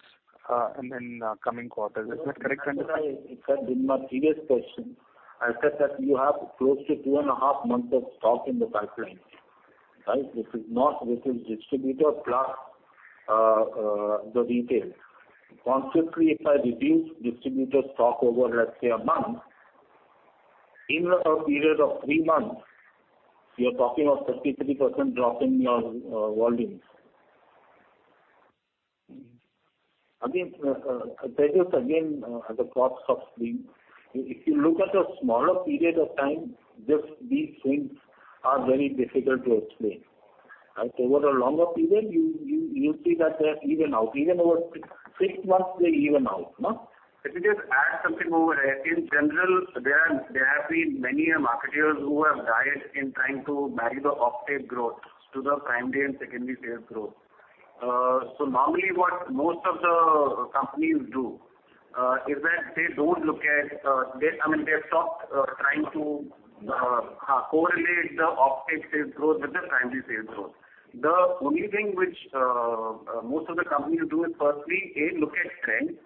M: in coming quarters. Is that correct assumption?
C: In my previous question, I said that you have close to two and a half months of stock in the pipeline. This is distributor plus the retail. Consequently, if I reduce distributor stock over, let's say, a month, in a period of three months, you are talking of 33% drop in your volumes. Again, Tejash, the plots of swing. If you look at a smaller period of time, these swings are very difficult to explain. Over a longer period, you will see that they even out. Even over six months, they even out. Let me just add something over here. In general, there have been many a marketers who have died in trying to marry the offtake growth to the primary and secondary sales growth. Normally what most of the companies do is that they stop trying to correlate the offtake sales growth with the primary sales growth. The only thing which most of the companies do is firstly, A, look at trends,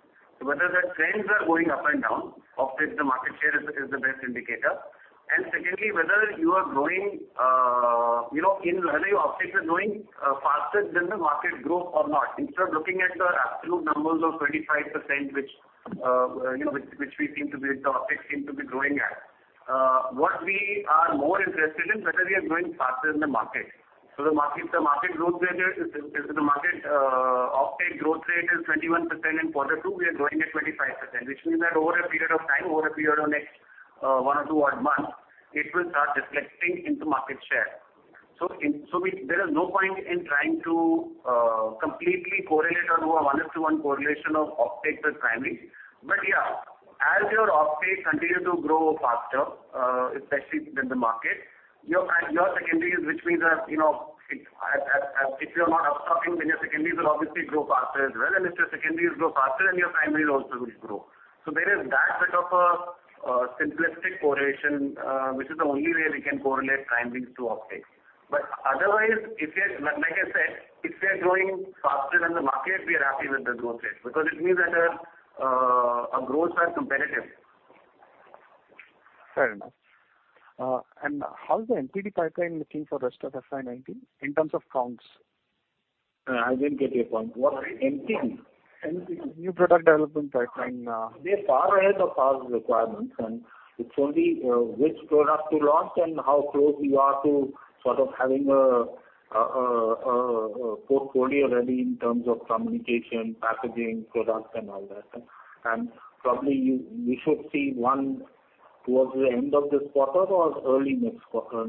C: whether the trends are going up and down. Offtake to market share is the best indicator. Secondly, whether your offtake is growing faster than the market growth or not. Instead of looking at the absolute numbers of 25%, which the offtake seem to be growing at, what we are more interested in, whether we are growing faster than the market. If the market offtake growth rate is 21% in quarter two, we are growing at 25%, which means that over a period of time, over a period of next one or two odd months, it will start reflecting into market share. There is no point in trying to completely correlate or do a one-to-one correlation of offtake with primary. Yeah, as your offtake continues to grow faster, especially than the market, your secondaries, which means that if you are not up-stocking, then your secondaries will obviously grow faster as well, and if your secondaries grow faster, then your primaries also will grow. There is that bit of a simplistic correlation, which is the only way we can correlate primaries to offtake. Otherwise, like I said, if we are growing faster than the market, we are happy with the growth rate, because it means that our growth are competitive.
M: Fair enough. How's the NPD pipeline looking for rest of FY 2019, in terms of counts?
C: I didn't get your point. What is NPD?
M: NPD. New product development pipeline.
C: We're far ahead of our requirements. It's only which product to launch and how close we are to sort of having a portfolio ready in terms of communication, packaging, product and all that. Probably, we should see one towards the end of this quarter or early next quarter.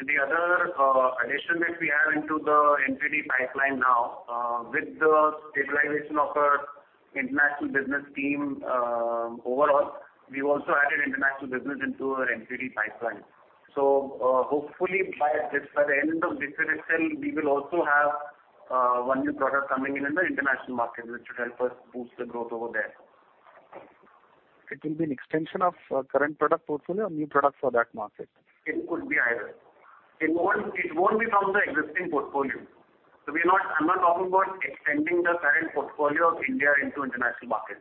H: The other addition that we have into the NPD pipeline now, with the stabilization of our international business team, overall, we've also added international business into our NPD pipeline. Hopefully by the end of this fiscal, we will also have one new product coming in in the international market, which should help us boost the growth over there.
M: It will be an extension of current product portfolio or new product for that market?
H: It could be either. It won't be from the existing portfolio. I'm not talking about extending the current portfolio of India into international markets.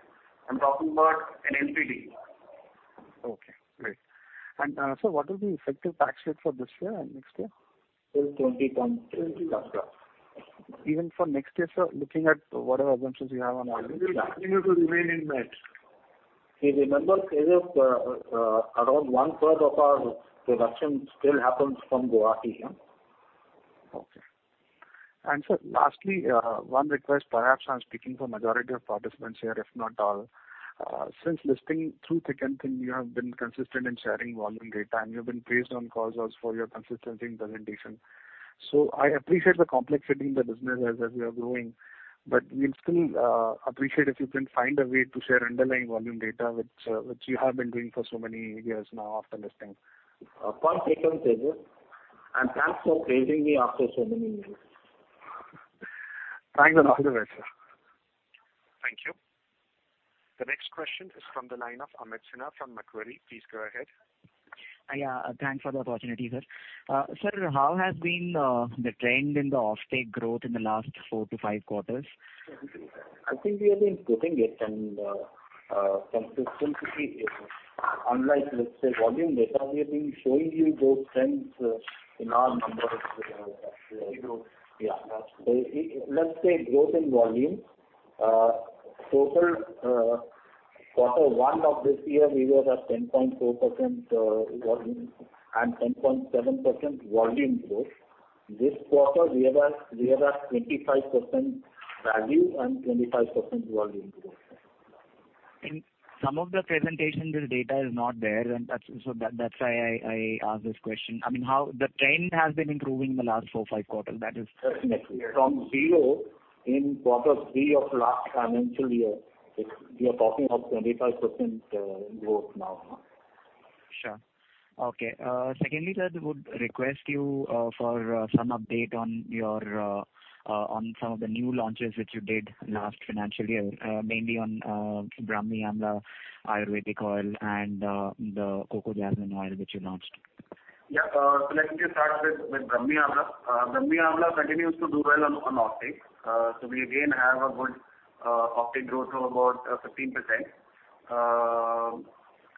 H: I'm talking about an NPD.
M: Sir, what will be effective tax rate for this year and next year?
C: It's 20 plus.
M: 20 plus. Even for next year, sir, looking at whatever assumptions you have.
C: It will continue to remain in mid.
H: Please remember, Kedar, around one-third of our production still happens from Guwahati.
M: Okay. Sir, lastly, one request. Perhaps I'm speaking for majority of participants here, if not all. Since listing, through thick and thin, you have been consistent in sharing volume data, and you have been praised on calls also for your consistency in presentation. I appreciate the complexity in the business as we are growing, but we'd still appreciate if you can find a way to share underlying volume data, which you have been doing for so many years now after listing.
C: Kedar. Thanks for praising me after so many years.
M: Thanks a lot. All the best, sir.
A: Thank you. The next question is from the line of Amit Sinha from Macquarie. Please go ahead.
N: Thanks for the opportunity, sir. Sir, how has been the trend in the offtake growth in the last four to five quarters?
C: I think we have been putting it and consistency is, unlike, let's say, volume data, we have been showing you those trends in our numbers.
N: You do.
C: Yeah. Let's say growth in volume. Total quarter one of this year, we were at 10.4% volume and 10.7% volume growth. This quarter, we are at 25% value and 25% volume growth.
N: In some of the presentations, this data is not there, and so that's why I asked this question. I mean, how the trend has been improving in the last four, five quarters?
C: Certainly. From zero in quarter 3 of last financial year, we are talking of 25% growth now.
N: Sure. Okay. Secondly, sir, would request you for some update on some of the new launches which you did last financial year, mainly on Brahmi Amla Ayurvedic oil and the Coco Jasmine oil which you launched.
H: Yeah. Let me just start with Brahmi Amla. Brahmi Amla continues to do well on offtake. We again have a good offtake growth of about 15%.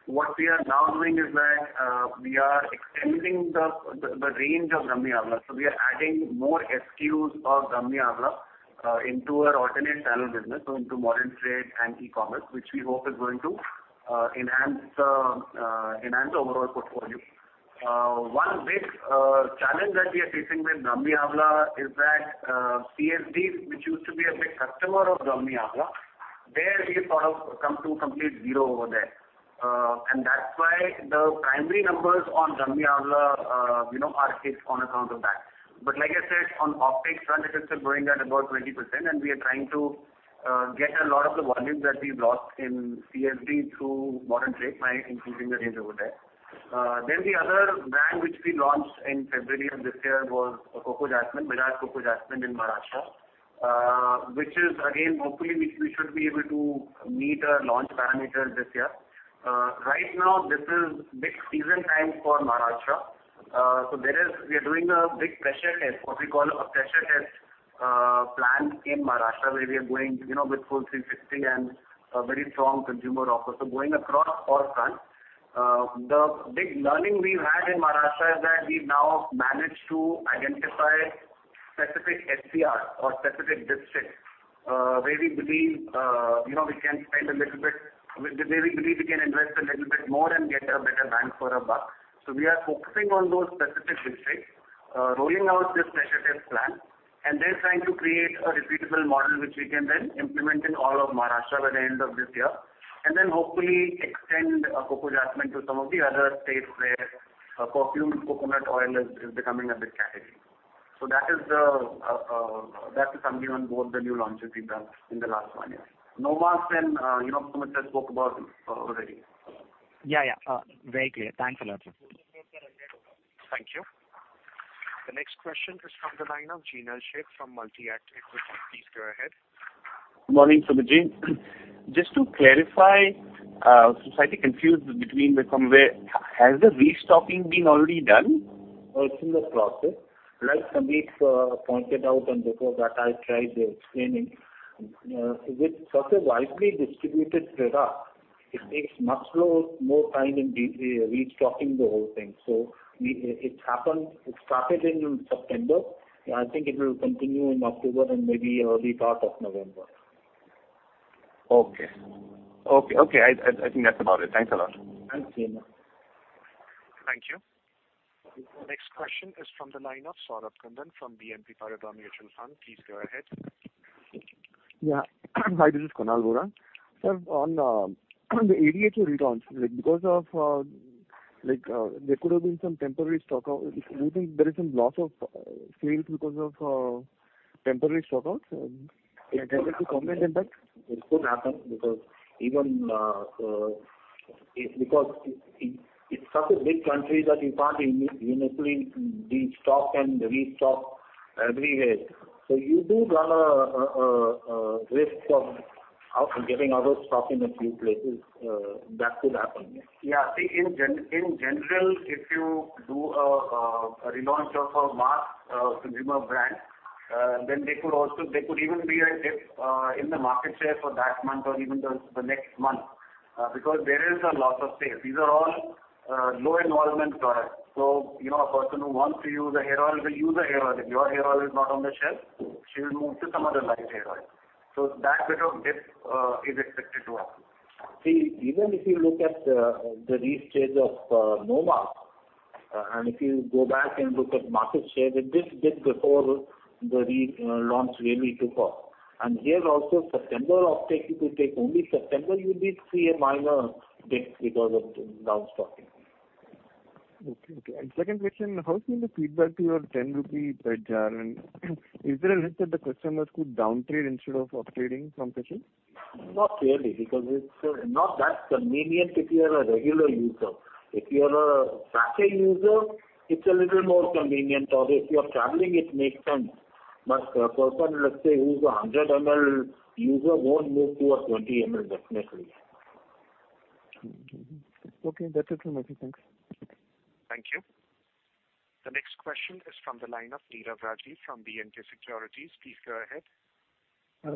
H: What we are now doing is that we are extending the range of Brahmi Amla. We are adding more SKUs of Brahmi Amla into our alternate channel business, so into modern trade and e-commerce, which we hope is going to enhance the overall portfolio. One big challenge that we are facing with Brahmi Amla is that CSD, which used to be a big customer of Brahmi Amla, there we have sort of come to complete zero over there. That's why the primary numbers on Brahmi Amla are hit on account of that. Like I said, on offtake front, it is still growing at about 20%, and we are trying to get a lot of the volumes that we've lost in CSD through modern trade by increasing the range over there.
C: The other brand which we launched in February of this year was Coco Jasmine, Bajaj Coco Jasmine in Maharashtra, which is again, hopefully, we should be able to meet our launch parameters this year. Right now, this is big season time for Maharashtra. We are doing a big pressure test, what we call a pressure test plan in Maharashtra, where we are going with full 360 and a very strong consumer offer. Going across all fronts. The big learning we've had in Maharashtra is that we've now managed to identify specific FCR or specific districts where we believe we can invest a little bit more and get a better bang for our buck. We are focusing on those specific districts, rolling out this pressure test plan, and then trying to create a repeatable model which we can then implement in all of Maharashtra by the end of this year, and then hopefully extend Coco Jasmine to some of the other states where perfumed coconut oil is becoming a big category. That is the summary on both the new launches we've done in the last one year. Novast and Sumit has spoke about already.
N: Yeah. Very clear. Thanks a lot, sir.
A: Thank you. The next question is from the line of Jinal Sheth from Multi-Act Equities. Please go ahead.
O: Good morning, sir. Just to clarify, since I think confused between the two, has the restocking been already done?
C: It's in the process. Like Sumit pointed out, and before that I tried explaining. With such a widely distributed product, it takes much more time in restocking the whole thing. It started in September, and I think it will continue in October and maybe early part of November.
O: Okay. I think that's about it. Thanks a lot.
C: Thanks, Jinal.
A: Thank you. The next question is from the line of Saurabh Kundan from BNP Paribas Mutual Fund. Please go ahead.
P: Yeah. Hi, this is Kunal Bohra. Sir, on the ADHO relaunch, there could have been some temporary stockout. Do you think there is some loss of sales because of temporary stockouts? Can you comment on that?
C: It could happen because it's such a big country that you can't uniformly destock and restock everywhere. You do run a risk of getting out of stock in a few places, that could happen.
H: Yeah. See, in general, if you do a relaunch of a mass consumer brand, there could even be a dip in the market share for that month or even the next month, because there is a loss of sales. These are all low involvement products. A person who wants to use a hair oil will use a hair oil. If your hair oil is not on the shelf, she will move to some other nice hair oil. That bit of dip is expected to happen.
C: See, even if you look at the restage of Novast, if you go back and look at market share, it did dip before the relaunch really took off. Here also, September, if you take only September, you did see a minor dip because of downstocking.
P: Okay. Second question, how's been the feedback to your 10 rupee per jar? Is there a risk that the customers could downtrade instead of up trading from sachets?
C: Not really, because it's not that convenient if you are a regular user. If you are a sachet user, it's a little more convenient, or if you are traveling, it makes sense. A person, let's say, who's a 100 ml user, won't move to a 20 ml definitely.
P: Okay. That's it from my side. Thanks.
A: Thank you. The next question is from the line of Neeraj Rajeev from BNJ Securities. Please go ahead.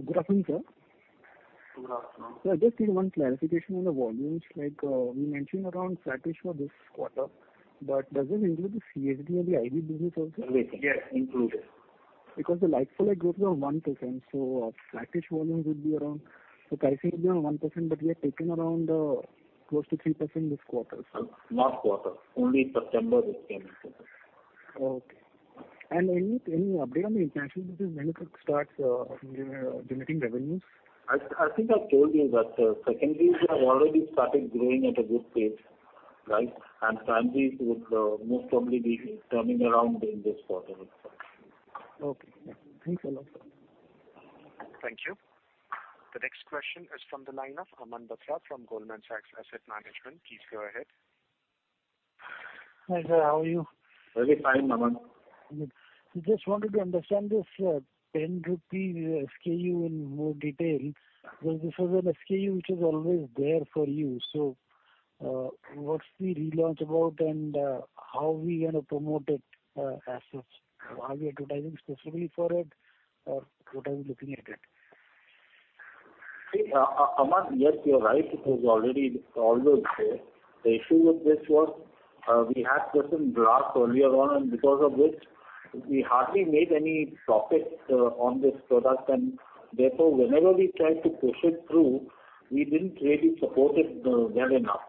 Q: Good afternoon, sir.
C: Good afternoon.
Q: Sir, just need one clarification on the volumes. You mentioned around flattish for this quarter. Does it include the CSD or the IV business also?
C: Yes, included.
Q: The like-for-like growth was 1%, so flattish volumes would be around, so I think it will be around 1%, but we are taken around close to 3% this quarter.
C: Last quarter. Only September it came into play.
Q: Okay. Any update on the financial business when it could start generating revenues?
C: I think I've told you that secondaries have already started growing at a good pace, right? Primaries would most probably be turning around in this quarter itself.
Q: Okay. Thanks a lot, sir.
A: Thank you. The next question is from the line of Aman Batra from Goldman Sachs Asset Management. Please go ahead.
R: Hi, sir. How are you?
C: Very fine, Aman.
R: Good. Just wanted to understand this 10 rupees SKU in more detail, because this is an SKU which is always there for you. What's the relaunch about and how are we going to promote it as such? Are we advertising specifically for it or what are we looking at it?
C: See, Aman, yes, you're right. It was already always there. The issue with this was we had certain glass earlier on, and because of which we hardly made any profit on this product, and therefore, whenever we tried to push it through, we didn't really support it well enough.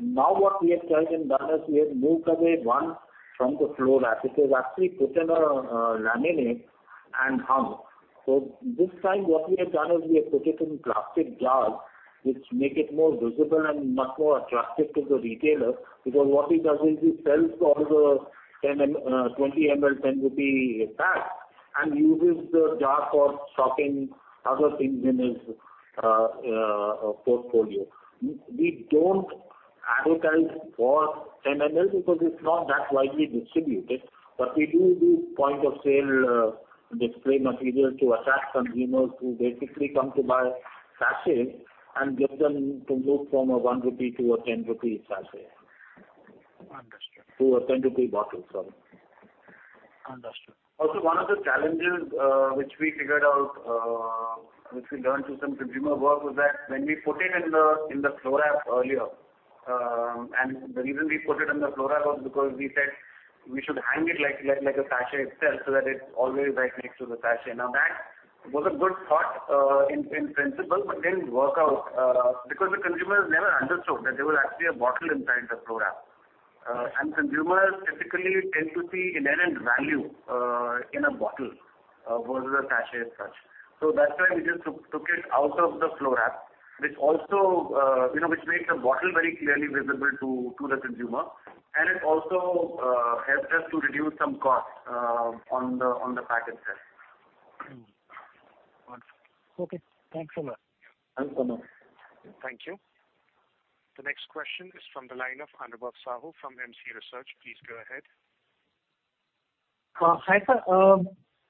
C: Now what we have tried and done is we have moved away one from the floor rack. It was actually put in a laminate and hung. This time what we have done is we have put it in plastic jars, which make it more visible and much more attractive to the retailer, because what he does is he sells all the 20 ml, 10 rupee packs. Uses the jar for stocking other things in his portfolio. We don't advertise for 10 ml because it's not that widely distributed, but we do use point-of-sale display material to attract consumers who basically come to buy sachets and get them to move from an 1 rupee to an 10 rupee sachet.
R: Understood.
C: To a ₹10 bottle, sorry.
R: Understood.
C: One of the challenges which we figured out, which we learned through some consumer work, was that when we put it in the flow wrap earlier, and the reason we put it in the flow wrap was because we said we should hang it like a sachet itself, so that it's always right next to the sachet. Now, that was a good thought in principle, but didn't work out because the consumers never understood that there was actually a bottle inside the flow wrap. Consumers typically tend to see inherent value in a bottle versus a sachet as such. That's why we just took it out of the flow wrap. Which makes the bottle very clearly visible to the consumer, and it also helps us to reduce some cost on the pack itself.
R: Okay. Thanks a lot.
C: Thanks a lot.
A: Thank you. The next question is from the line of Anubhav Sahu from MC Research. Please go ahead.
S: Hi, sir.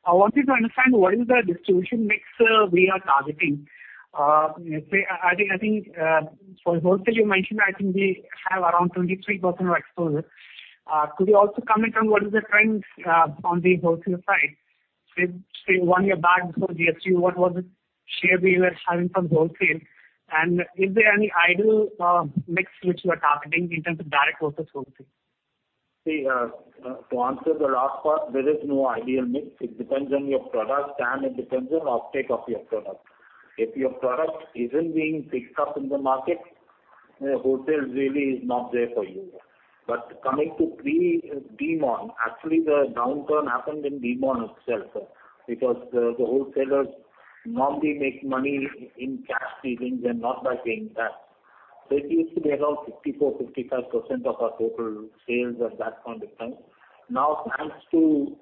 S: I wanted to understand what is the distribution mix we are targeting. I think for wholesale you mentioned, I think we have around 23% of exposure. Could you also comment on what is the trend on the wholesale side? Say, one year back before GST, what was the share we were having from wholesale? Is there any ideal mix which you are targeting in terms of direct versus wholesale?
C: See, to answer the last part, there is no ideal mix. It depends on your product, and it depends on off take of your product. If your product isn't being picked up in the market, wholesale really is not there for you. Coming to pre-demon, actually the downturn happened in demon itself, sir, because the wholesalers normally make money in cash savings and not by paying tax. It used to be around 54%-55% of our total sales at that point of time. Now, thanks to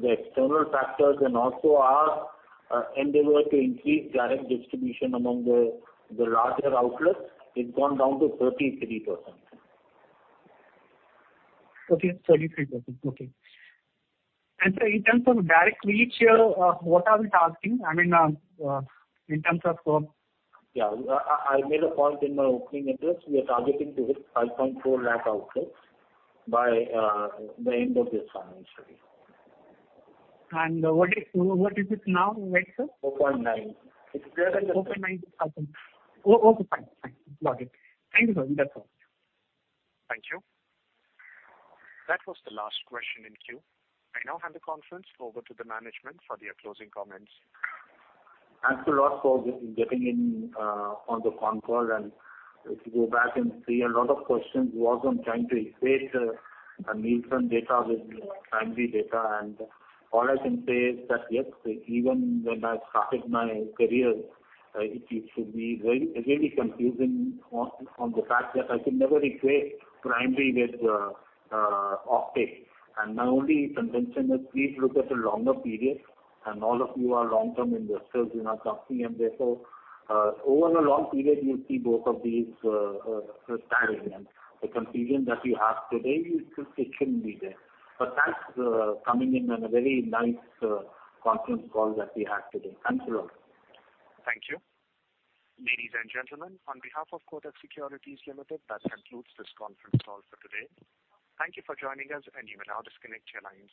C: the external factors and also our endeavor to increase direct distribution among the larger outlets, it's gone down to 33%.
S: Okay. 33%, okay. Sir, in terms of direct reach here, what are we targeting?
C: Yeah, I made a point in my opening address. We are targeting to hit 5.4 lakh outlets by the end of this financial year.
S: What is it now, right sir?
C: 4.9.
S: 4.9. Okay, fine. Got it. Thank you, sir. That's all.
A: Thank you. That was the last question in queue. I now hand the conference over to the management for their closing comments.
C: Thanks a lot for getting in on the call and if you go back and see a lot of questions were also trying to equate a Nielsen data with primary data and all I can say is that yes, even when I started my career, it used to be very confusing on the fact that I could never equate primary with off take, and my only suggestion is please look at a longer period and all of you are long-term investors in our company, and therefore, over a long period you'll see both of these converging, and the confusion that you have today it shouldn't be there. That's coming in a very nice conference call that we had today. Thanks a lot.
A: Thank you. Ladies and gentlemen, on behalf of Kotak Securities Limited, that concludes this conference call for today. Thank you for joining us, and you may now disconnect your lines.